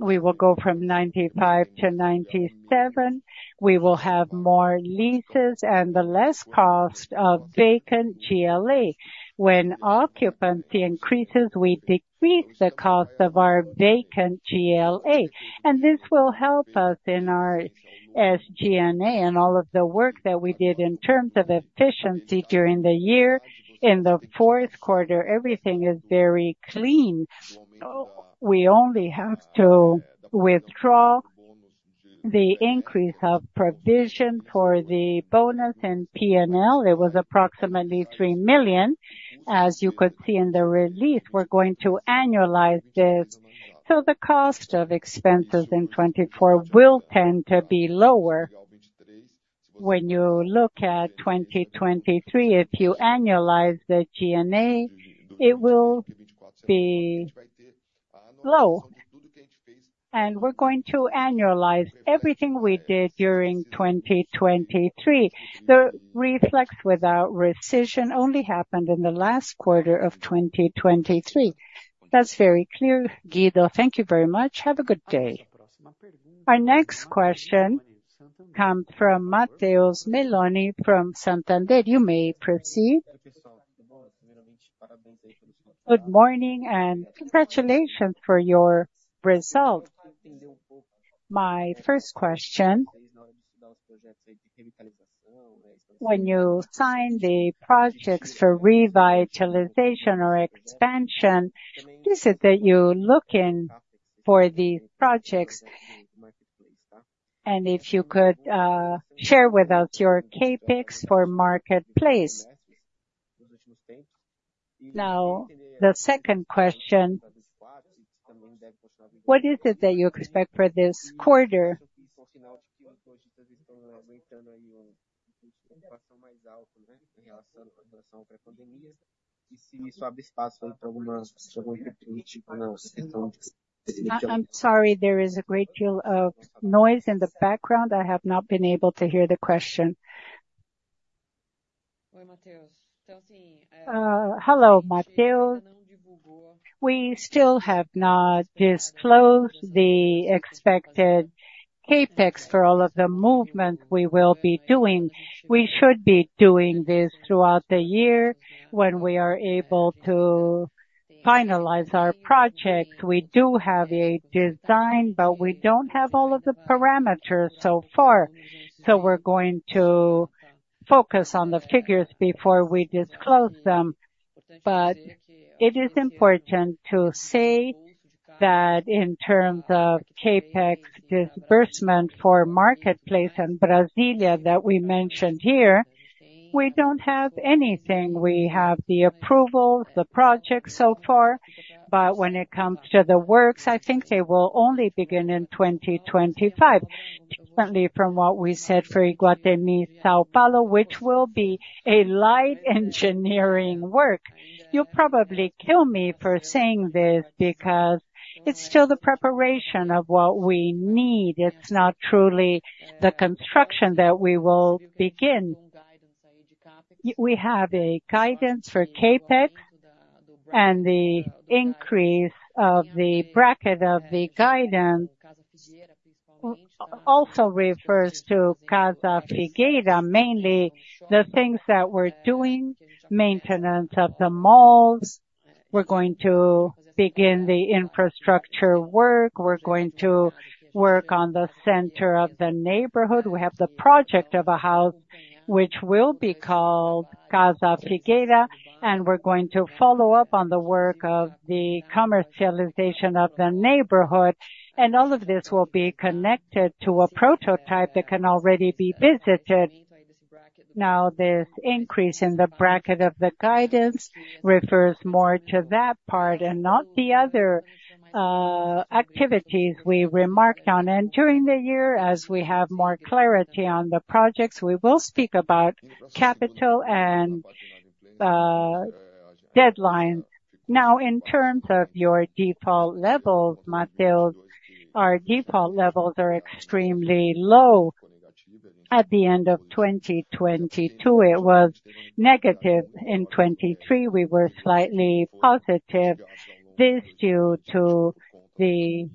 We will go from 95 to 97. We will have more leases and the less cost of vacant GLA. When occupancy increases, we decrease the cost of our vacant GLA. This will help us in our SG&A and all of the work that we did in terms of efficiency during the year. In the fourth quarter, everything is very clean. We only have to withdraw the increase of provision for the bonus and P&L. It was approximately 3 million, as you could see in the release. We're going to annualize this. So the cost of expenses in 2024 will tend to be lower. When you look at 2023, if you annualize the G&A, it will be low. And we're going to annualize everything we did during 2023. The reflex without decision only happened in the last quarter of 2023. That's very clear, Guido. Thank you very much. Have a good day. Our next question comes from Matheus Meloni from Santander. You may proceed. Good morning and congratulations for your result. My first question, when you sign the projects for revitalization or expansion, is it that you look in for these projects? And if you could share with us your CapEx for Market Place. Now, the second question, what is it that you expect for this quarter? I'm sorry. There is a great deal of noise in the background. I have not been able to hear the question. Hello, Mateus. We still have not disclosed the expected CapEx for all of the movement we will be doing. We should be doing this throughout the year when we are able to finalize our projects. We do have a design, but we don't have all of the parameters so far. So we're going to focus on the figures before we disclose them. But it is important to say that in terms of CapEx disbursement for marketplace in Brasília that we mentioned here, we don't have anything. We have the approvals, the projects so far. But when it comes to the works, I think they will only begin in 2025, differently from what we said for Iguatemi São Paulo, which will be a light engineering work. You'll probably kill me for saying this because it's still the preparation of what we need. It's not truly the construction that we will begin. We have a guidance for CapEx, and the increase of the bracket of the guidance also refers to Casa Figueira, mainly the things that we're doing, maintenance of the malls. We're going to begin the infrastructure work. We're going to work on the center of the neighborhood. We have the project of a house which will be called Casa Figueira, and we're going to follow up on the work of the commercialization of the neighborhood. And all of this will be connected to a prototype that can already be visited. Now, this increase in the bracket of the guidance refers more to that part and not the other activities we remarked on. During the year, as we have more clarity on the projects, we will speak about capital and deadlines. Now, in terms of your default levels, Mateus, our default levels are extremely low. At the end of 2022, it was negative. In 2023, we were slightly positive. This is due to the,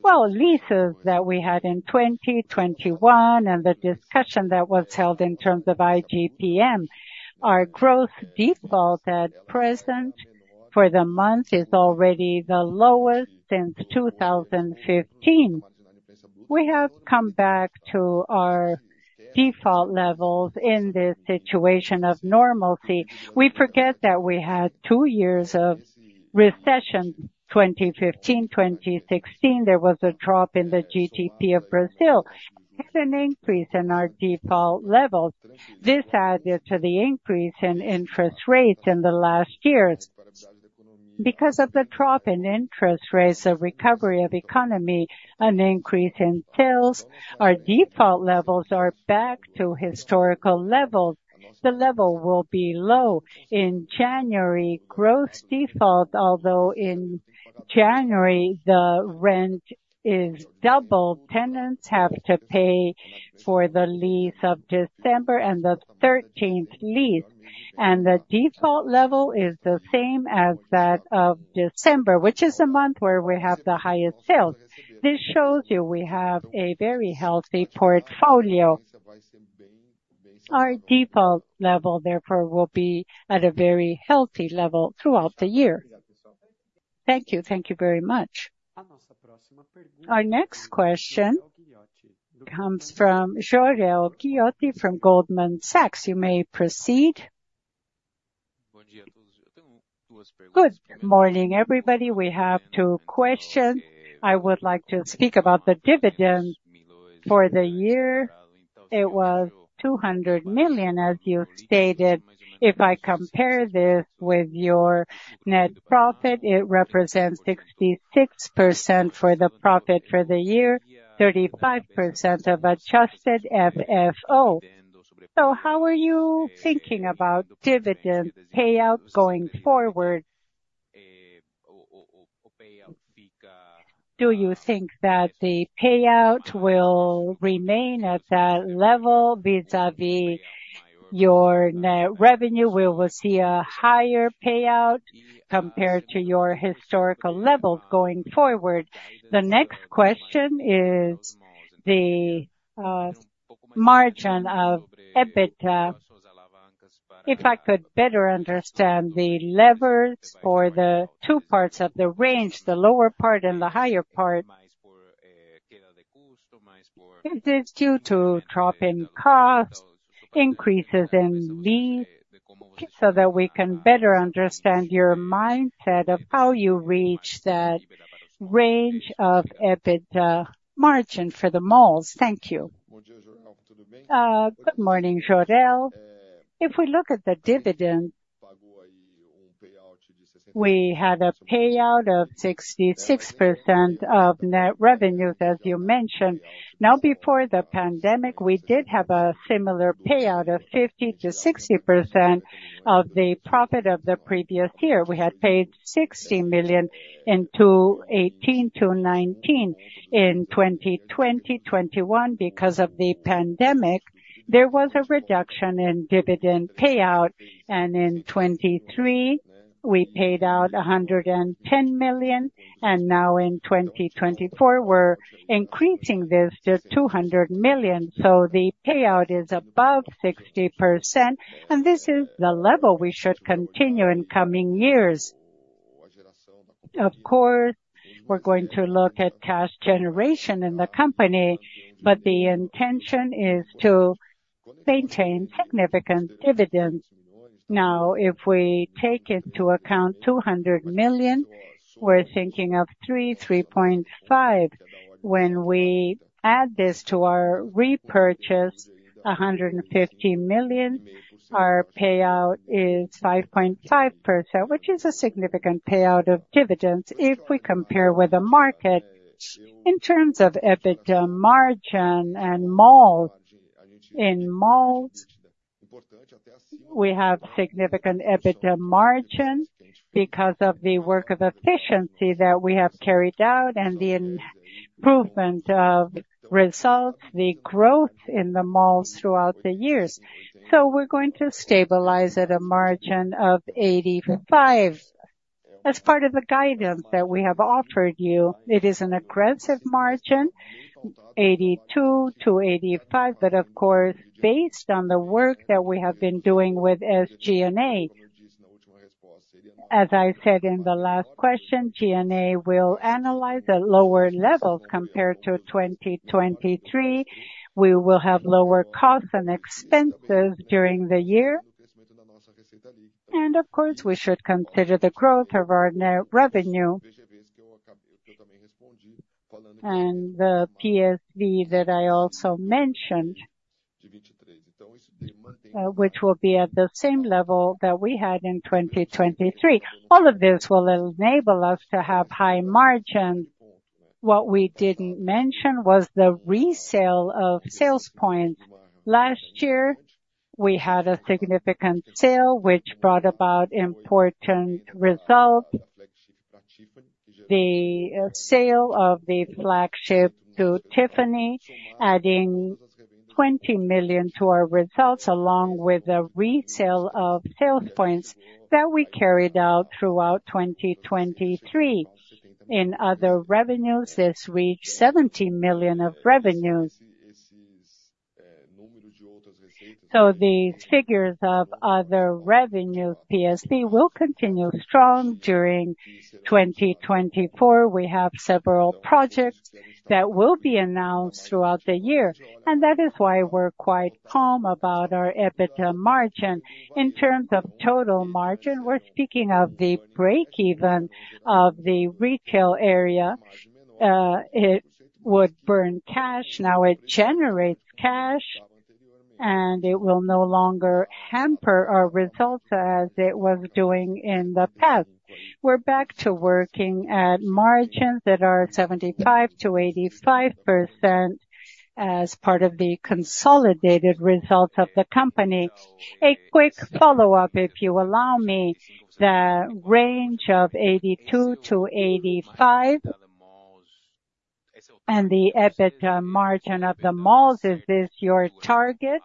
well, leases that we had in 2021 and the discussion that was held in terms of IGPM. Our gross default at present for the month is already the lowest since 2015. We have come back to our default levels in this situation of normalcy. We forget that we had two years of recession, 2015, 2016. There was a drop in the GDP of Brazil. We had an increase in our default levels. This added to the increase in interest rates in the last years. Because of the drop in interest rates, the recovery of the economy, an increase in sales, our default levels are back to historical levels. The level will be low. In January, gross default, although in January the rent is doubled, tenants have to pay for the lease of December and the 13th lease. And the default level is the same as that of December, which is the month where we have the highest sales. This shows you we have a very healthy portfolio. Our default level, therefore, will be at a very healthy level throughout the year. Thank you. Thank you very much. Our next question comes from Jorel Guilloty from Goldman Sachs. You may proceed. Good morning, everybody. We have two questions. I would like to speak about the dividend for the year. It was 200 million, as you stated. If I compare this with your net profit, it represents 66% for the profit for the year, 35% of adjusted FFO. So how are you thinking about dividend payout going forward? Do you think that the payout will remain at that level vis-à-vis your net revenue? Will we see a higher payout compared to your historical levels going forward? The next question is the margin of EBITDA. If I could better understand the levers for the two parts of the range, the lower part and the higher part, is this due to drop in costs, increases in lease? So that we can better understand your mindset of how you reach that range of EBITDA margin for the malls. Thank you. Good morning, Jorel. If we look at the dividend, we had a payout of 66% of net revenues, as you mentioned. Now, before the pandemic, we did have a similar payout of 50%-60% of the profit of the previous year. We had paid 60 million in 2018, 2019. In 2020, 2021, because of the pandemic, there was a reduction in dividend payout. In 2023, we paid out 110 million. Now in 2024, we're increasing this to 200 million. The payout is above 60%, and this is the level we should continue in coming years. Of course, we're going to look at cash generation in the company, but the intention is to maintain significant dividends. Now, if we take into account 200 million, we're thinking of 3%-3.5%. When we add this to our repurchase, 150 million, our payout is 5.5%, which is a significant payout of dividends if we compare with the market. In terms of EBITDA margin and malls, in malls, we have significant EBITDA margin because of the work of efficiency that we have carried out and the improvement of results, the growth in the malls throughout the years. So we're going to stabilize at a margin of 85%. As part of the guidance that we have offered you, it is an aggressive margin, 82%-85%. But of course, based on the work that we have been doing with SG&A, as I said in the last question, G&A will annualize at lower levels compared to 2023. We will have lower costs and expenses during the year. And of course, we should consider the growth of our net revenue and the PSV that I also mentioned, which will be at the same level that we had in 2023. All of this will enable us to have high margins. What we didn't mention was the resale of sales points. Last year, we had a significant sale, which brought about important results. The sale of the flagship to Tiffany, adding 20 million to our results, along with a resale of sales points that we carried out throughout 2023. In other revenues, this reached 70 million of revenues. So these figures of other revenues, PSV, will continue strong during 2024. We have several projects that will be announced throughout the year. And that is why we're quite calm about our EBITDA margin. In terms of total margin, we're speaking of the break-even of the retail area. It would burn cash. Now it generates cash, and it will no longer hamper our results as it was doing in the past. We're back to working at margins that are 75%-85% as part of the consolidated results of the company. A quick follow-up, if you allow me, the range of 82%-85% and the EBITDA margin of the malls, is this your target?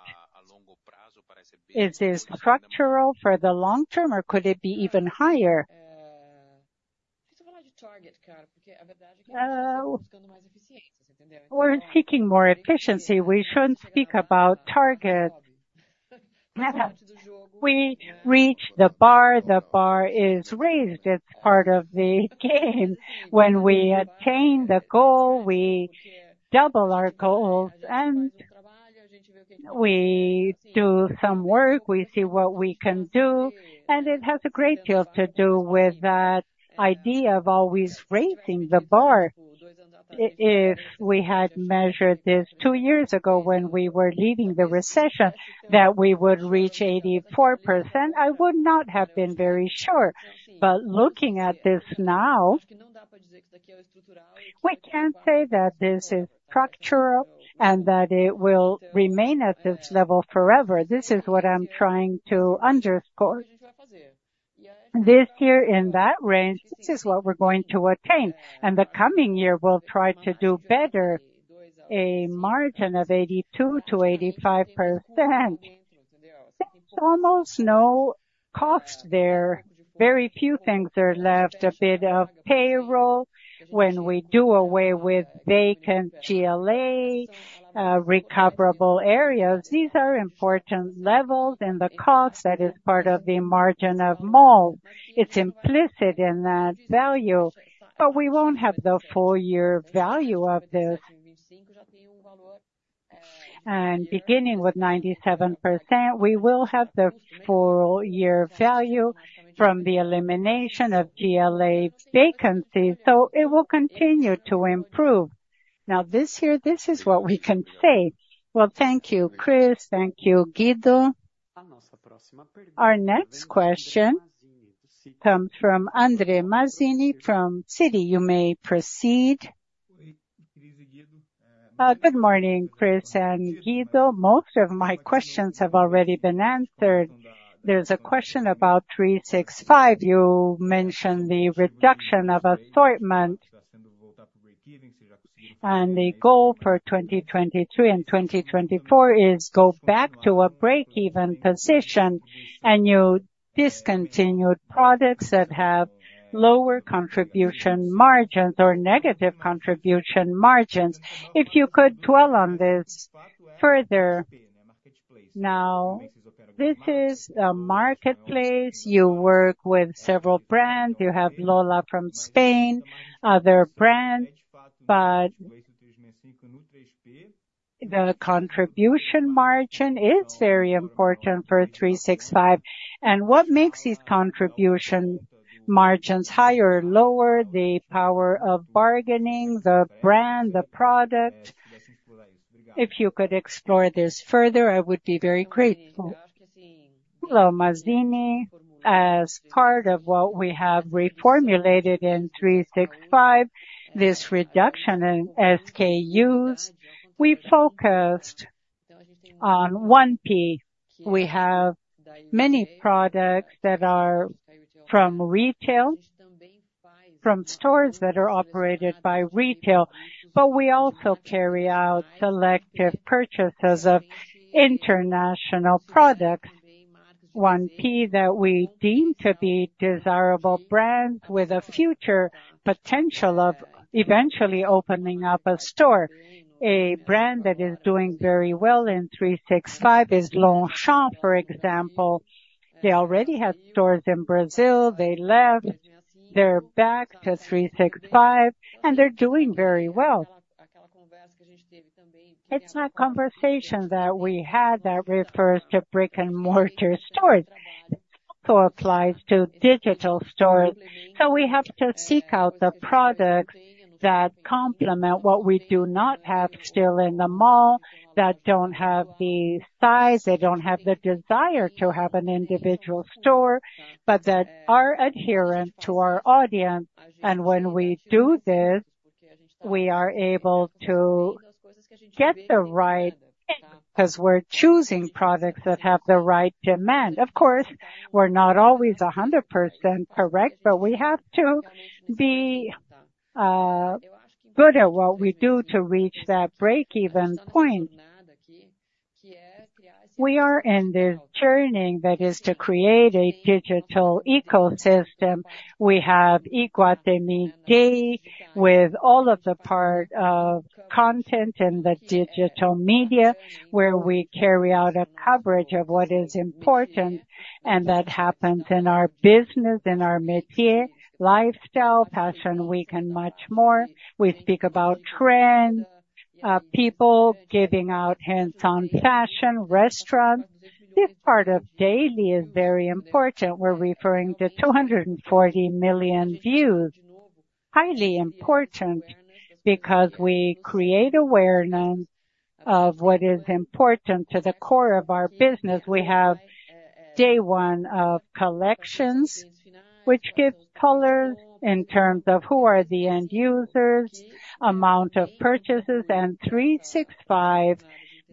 Is this structural for the long term, or could it be even higher? We're seeking more efficiency. We shouldn't speak about target. We reach the bar. The bar is raised. It's part of the game. When we attain the goal, we double our goals. And we do some work. We see what we can do. And it has a great deal to do with that idea of always raising the bar. If we had measured this two years ago when we were leaving the recession, that we would reach 84%, I would not have been very sure. But looking at this now, we can't say that this is structural and that it will remain at this level forever. This is what I'm trying to underscore. This year in that range, this is what we're going to attain. And the coming year, we'll try to do better, a margin of 82%-85%. There's almost no cost there. Very few things are left. A bit of payroll when we do away with vacant GLA, recoverable areas. These are important levels in the cost. That is part of the margin of malls. It's implicit in that value. But we won't have the full-year value of this. And beginning with 97%, we will have the full-year value from the elimination of GLA vacancies. So it will continue to improve. Now, this year, this is what we can say. Well, thank you, Chris. Thank you, Guido. Our next question comes from Andre Mazini from Citi. Citi, you may proceed. Good morning, Chris and Guido. Most of my questions have already been answered. There's a question about 365. You mentioned the reduction of assortment and the goal for 2023 and 2024 is go back to a break-even position and you discontinued products that have lower contribution margins or negative contribution margins. If you could dwell on this further. Now, this is a marketplace. You work with several brands. You have Lola from Spain, other brands. But the contribution margin is very important for 365. And what makes these contribution margins higher or lower? The power of bargaining, the brand, the product. If you could explore this further, I would be very grateful. Hello, Mazini. As part of what we have reformulated in 365, this reduction in SKUs, we focused on 1P. We have many products that are from retail, from stores that are operated by retail. But we also carry out selective purchases of international products, 1P, that we deem to be desirable brands with a future potential of eventually opening up a store. A brand that is doing very well in 365 is Longchamp, for example. They already had stores in Brazil. They left. They're back to 365, and they're doing very well. It's a conversation that we had that refers to brick-and-mortar stores. It also applies to digital stores. So we have to seek out the products that complement what we do not have still in the mall, that don't have the size, they don't have the desire to have an individual store, but that are adherent to our audience. And when we do this, we are able to get the right because we're choosing products that have the right demand. Of course, we're not always 100% correct, but we have to be good at what we do to reach that break-even point. We are in this journey that is to create a digital ecosystem. We have Iguatemi with all of the part of content in the digital media where we carry out a coverage of what is important. And that happens in our business, in our métier, lifestyle, fashion week, and much more. We speak about trends, people giving out hands-on fashion, restaurants. This part of Daily is very important. We're referring to 240 million views. Highly important because we create awareness of what is important to the core of our business. We have day one of collections, which gives colors in terms of who are the end users, amount of purchases, and 365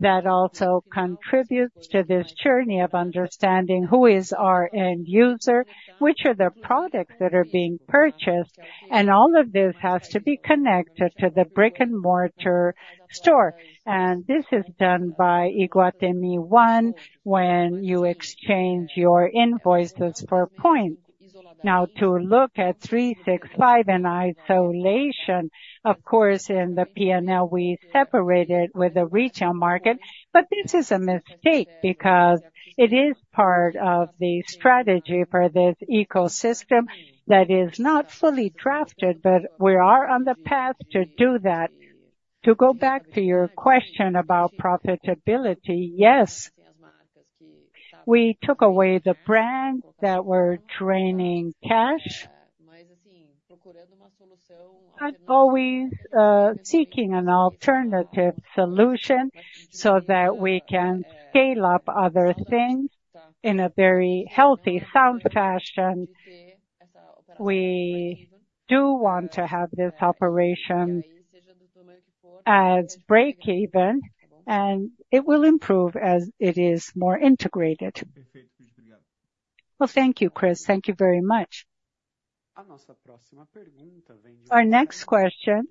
that also contributes to this journey of understanding who is our end user, which are the products that are being purchased. And all of this has to be connected to the brick-and-mortar store. And this is done by Iguatemi when you exchange your invoices for points. Now, to look at 365 in isolation, of course, in the P&L, we separate it with the retail market. But this is a mistake because it is part of the strategy for this ecosystem that is not fully drafted, but we are on the path to do that. To go back to your question about profitability, yes, we took away the brands that were draining cash and always seeking an alternative solution so that we can scale up other things in a very healthy, sound fashion. We do want to have this operation as break-even, and it will improve as it is more integrated. Well, thank you, Chris. Thank you very much. Our next question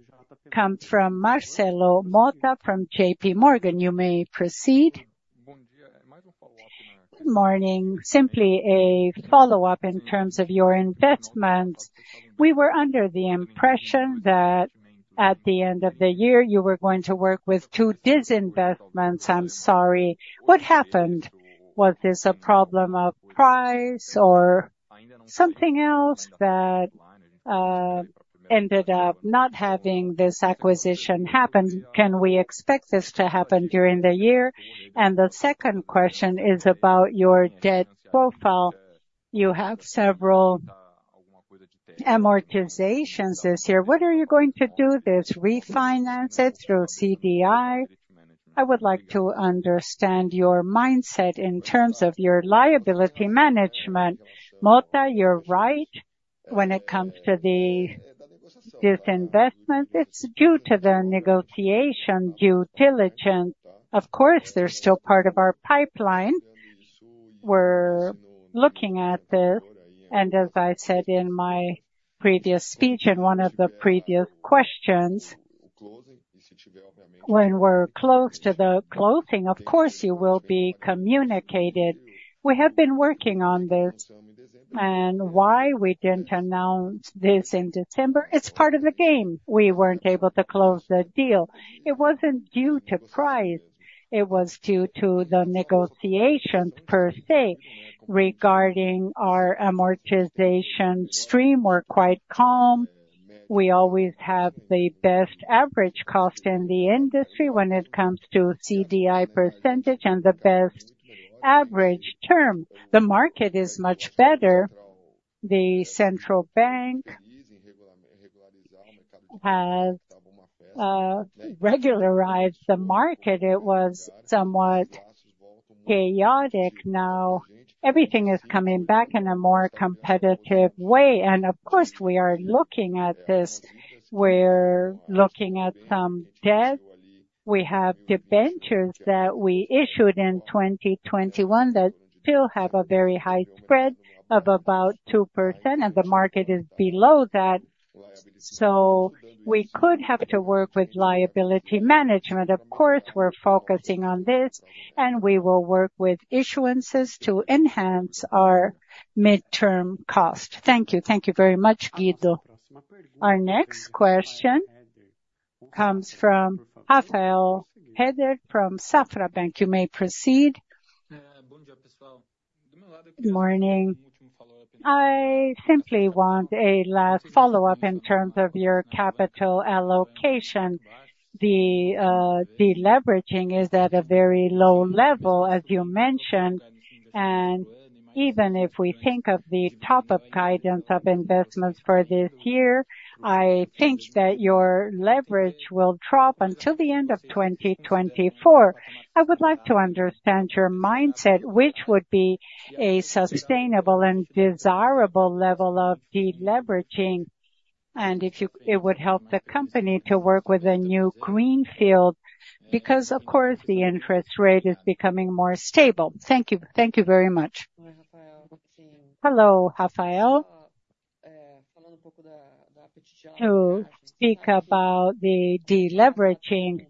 comes from Marcelo Motta from JP Morgan. You may proceed. Good morning. Simply a follow-up in terms of your investments. We were under the impression that at the end of the year, you were going to work with two disinvestments. I'm sorry. What happened? Was this a problem of price or something else that ended up not having this acquisition happen? Can we expect this to happen during the year? And the second question is about your debt profile. You have several amortizations this year. What are you going to do? To refinance it through CDI? I would like to understand your mindset in terms of your liability management. Motta, you're right when it comes to the disinvestments. It's due to the negotiation due diligence. Of course, they're still part of our pipeline. We're looking at this. As I said in my previous speech and one of the previous questions, when we're close to the closing, of course, you will be communicated. We have been working on this. Why we didn't announce this in December? It's part of the game. We weren't able to close the deal. It wasn't due to price. It was due to the negotiations per se regarding our amortization stream. We're quite calm. We always have the best average cost in the industry when it comes to CDI percentage and the best average term. The market is much better. The Central Bank has regularized the market. It was somewhat chaotic. Now everything is coming back in a more competitive way. And of course, we are looking at this. We're looking at some debt. We have debentures that we issued in 2021 that still have a very high spread of about 2%, and the market is below that. So we could have to work with liability management. Of course, we're focusing on this, and we will work with issuances to enhance our midterm cost. Thank you. Thank you very much, Guido. Our next question comes from Rafael Rehder from Safra Bank. You may proceed. Good morning. I simply want a last follow-up in terms of your capital allocation. The leveraging is at a very low level, as you mentioned. And even if we think of the top-up guidance of investments for this year, I think that your leverage will drop until the end of 2024. I would like to understand your mindset, which would be a sustainable and desirable level of deleveraging, and if it would help the company to work with a new greenfield because, of course, the interest rate is becoming more stable. Thank you. Thank you very much. Hello, Rafael. To speak about the deleveraging.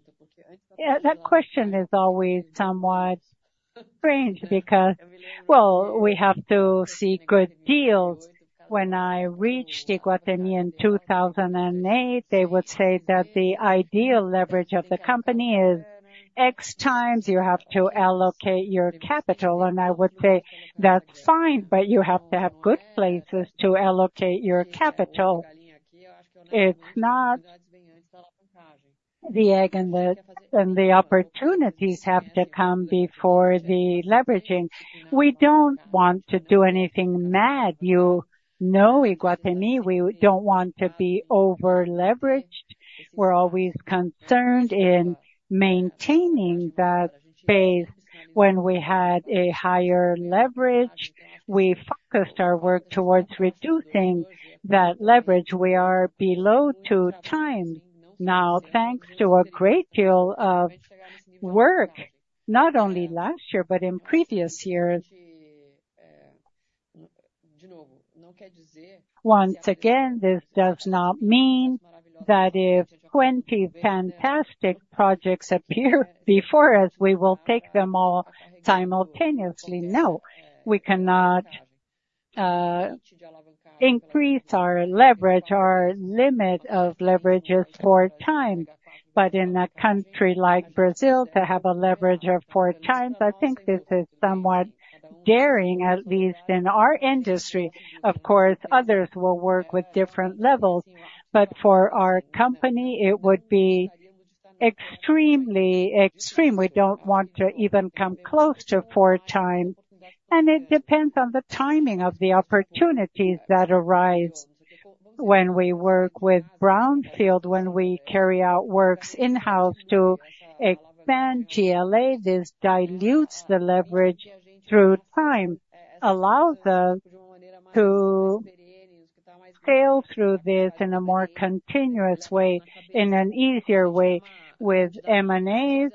Yeah, that question is always somewhat strange because, well, we have to seek good deals. When I reached Iguatemi in 2008, they would say that the ideal leverage of the company is X times you have to allocate your capital. And I would say that's fine, but you have to have good places to allocate your capital. It's not the end and the opportunities have to come before the leveraging. We don't want to do anything mad. You know Iguatemi. We don't want to be over-leveraged. We're always concerned in maintaining that space. When we had a higher leverage, we focused our work towards reducing that leverage. We are below 2x now, thanks to a great deal of work, not only last year but in previous years. Once again, this does not mean that if 20 fantastic projects appear before us, we will take them all simultaneously. No, we cannot increase our leverage. Our limit of leverage is 4x. But in a country like Brazil, to have a leverage of 4x, I think this is somewhat daring, at least in our industry. Of course, others will work with different levels. But for our company, it would be extremely extreme. We don't want to even come close to 4x. It depends on the timing of the opportunities that arise. When we work with brownfield, when we carry out works in-house to expand GLA, this dilutes the leverage through time, allows us to scale through this in a more continuous way, in an easier way with M&As.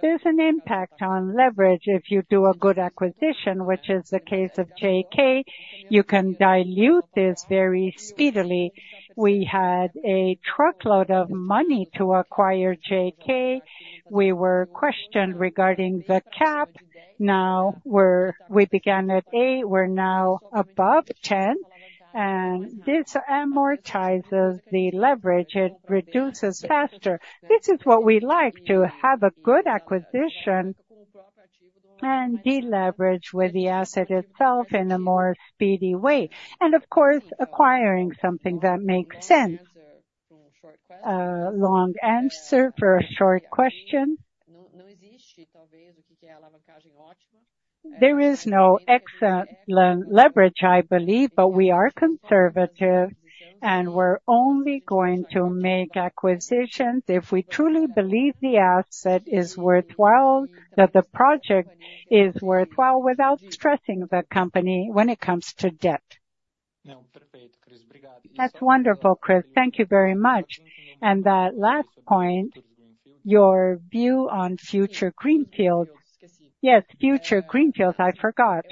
There's an impact on leverage. If you do a good acquisition, which is the case of JK, you can dilute this very speedily. We had a truckload of money to acquire JK. We were questioned regarding the cap. Now we began at eight. We're now above 10. This amortizes the leverage. It reduces faster. This is what we like, to have a good acquisition and deleverage with the asset itself in a more speedy way, and of course, acquiring something that makes sense. Long answer for a short question. There is no excellent leverage, I believe, but we are conservative, and we're only going to make acquisitions if we truly believe the asset is worthwhile, that the project is worthwhile without stressing the company when it comes to debt. That's wonderful, Chris. Thank you very much. And that last point, your view on future greenfields. Yes, future greenfields. I forgot.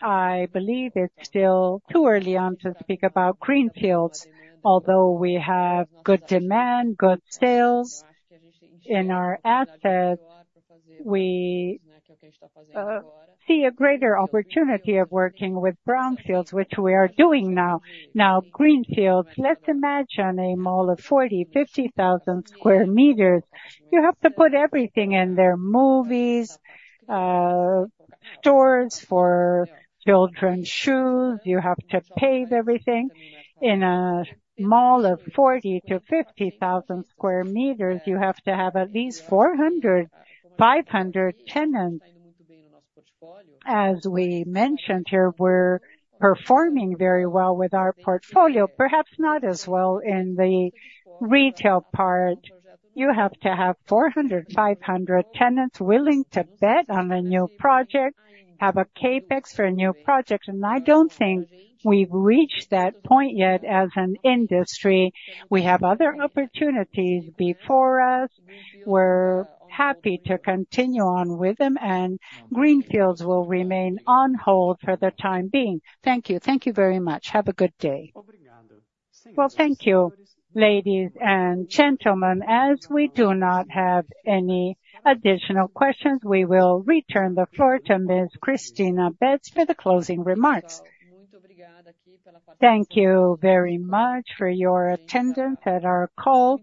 I believe it's still too early on to speak about greenfields, although we have good demand, good sales in our assets. We see a greater opportunity of working with brownfields, which we are doing now. Now, greenfields, let's imagine a mall of 40,000-50,000 square meters. You have to put everything in there: movies, stores for children's shoes. You have to pave everything. In a mall of 40,000-50,000 sq m, you have to have at least 400-500 tenants. As we mentioned here, we're performing very well with our portfolio, perhaps not as well in the retail part. You have to have 400, 500 tenants willing to bet on a new project, have a CapEx for a new project. I don't think we've reached that point yet as an industry. We have other opportunities before us. We're happy to continue on with them, and greenfields will remain on hold for the time being. Thank you. Thank you very much. Have a good day. Well, thank you, ladies and gentlemen. As we do not have any additional questions, we will return the floor to Ms. Cristina Betts for the closing remarks. Thank you very much for your attendance at our call.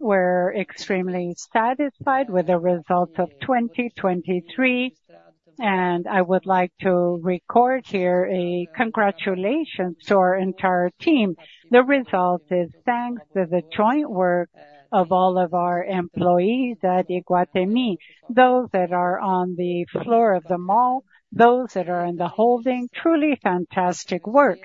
We're extremely satisfied with the results of 2023. I would like to record here a congratulations to our entire team. The result is thanks to the joint work of all of our employees at Iguatemi, those that are on the floor of the mall, those that are in the holding. Truly fantastic work.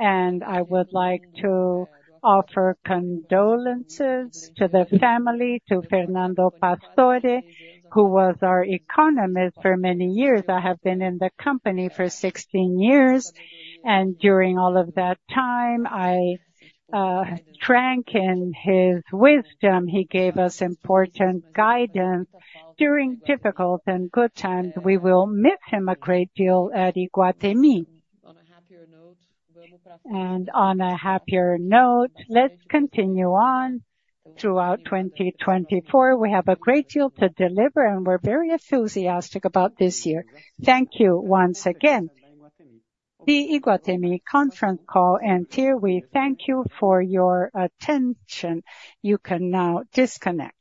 I would like to offer condolences to the family, to Fernando Pastore, who was our economist for many years. I have been in the company for 16 years. During all of that time, I drank in his wisdom. He gave us important guidance during difficult and good times. We will miss him a great deal at Iguatemi. On a happier note, let's continue on throughout 2024. We have a great deal to deliver, and we're very enthusiastic about this year. Thank you once again. The Iguatemi Conference Call and this week, thank you for your attention. You can now disconnect.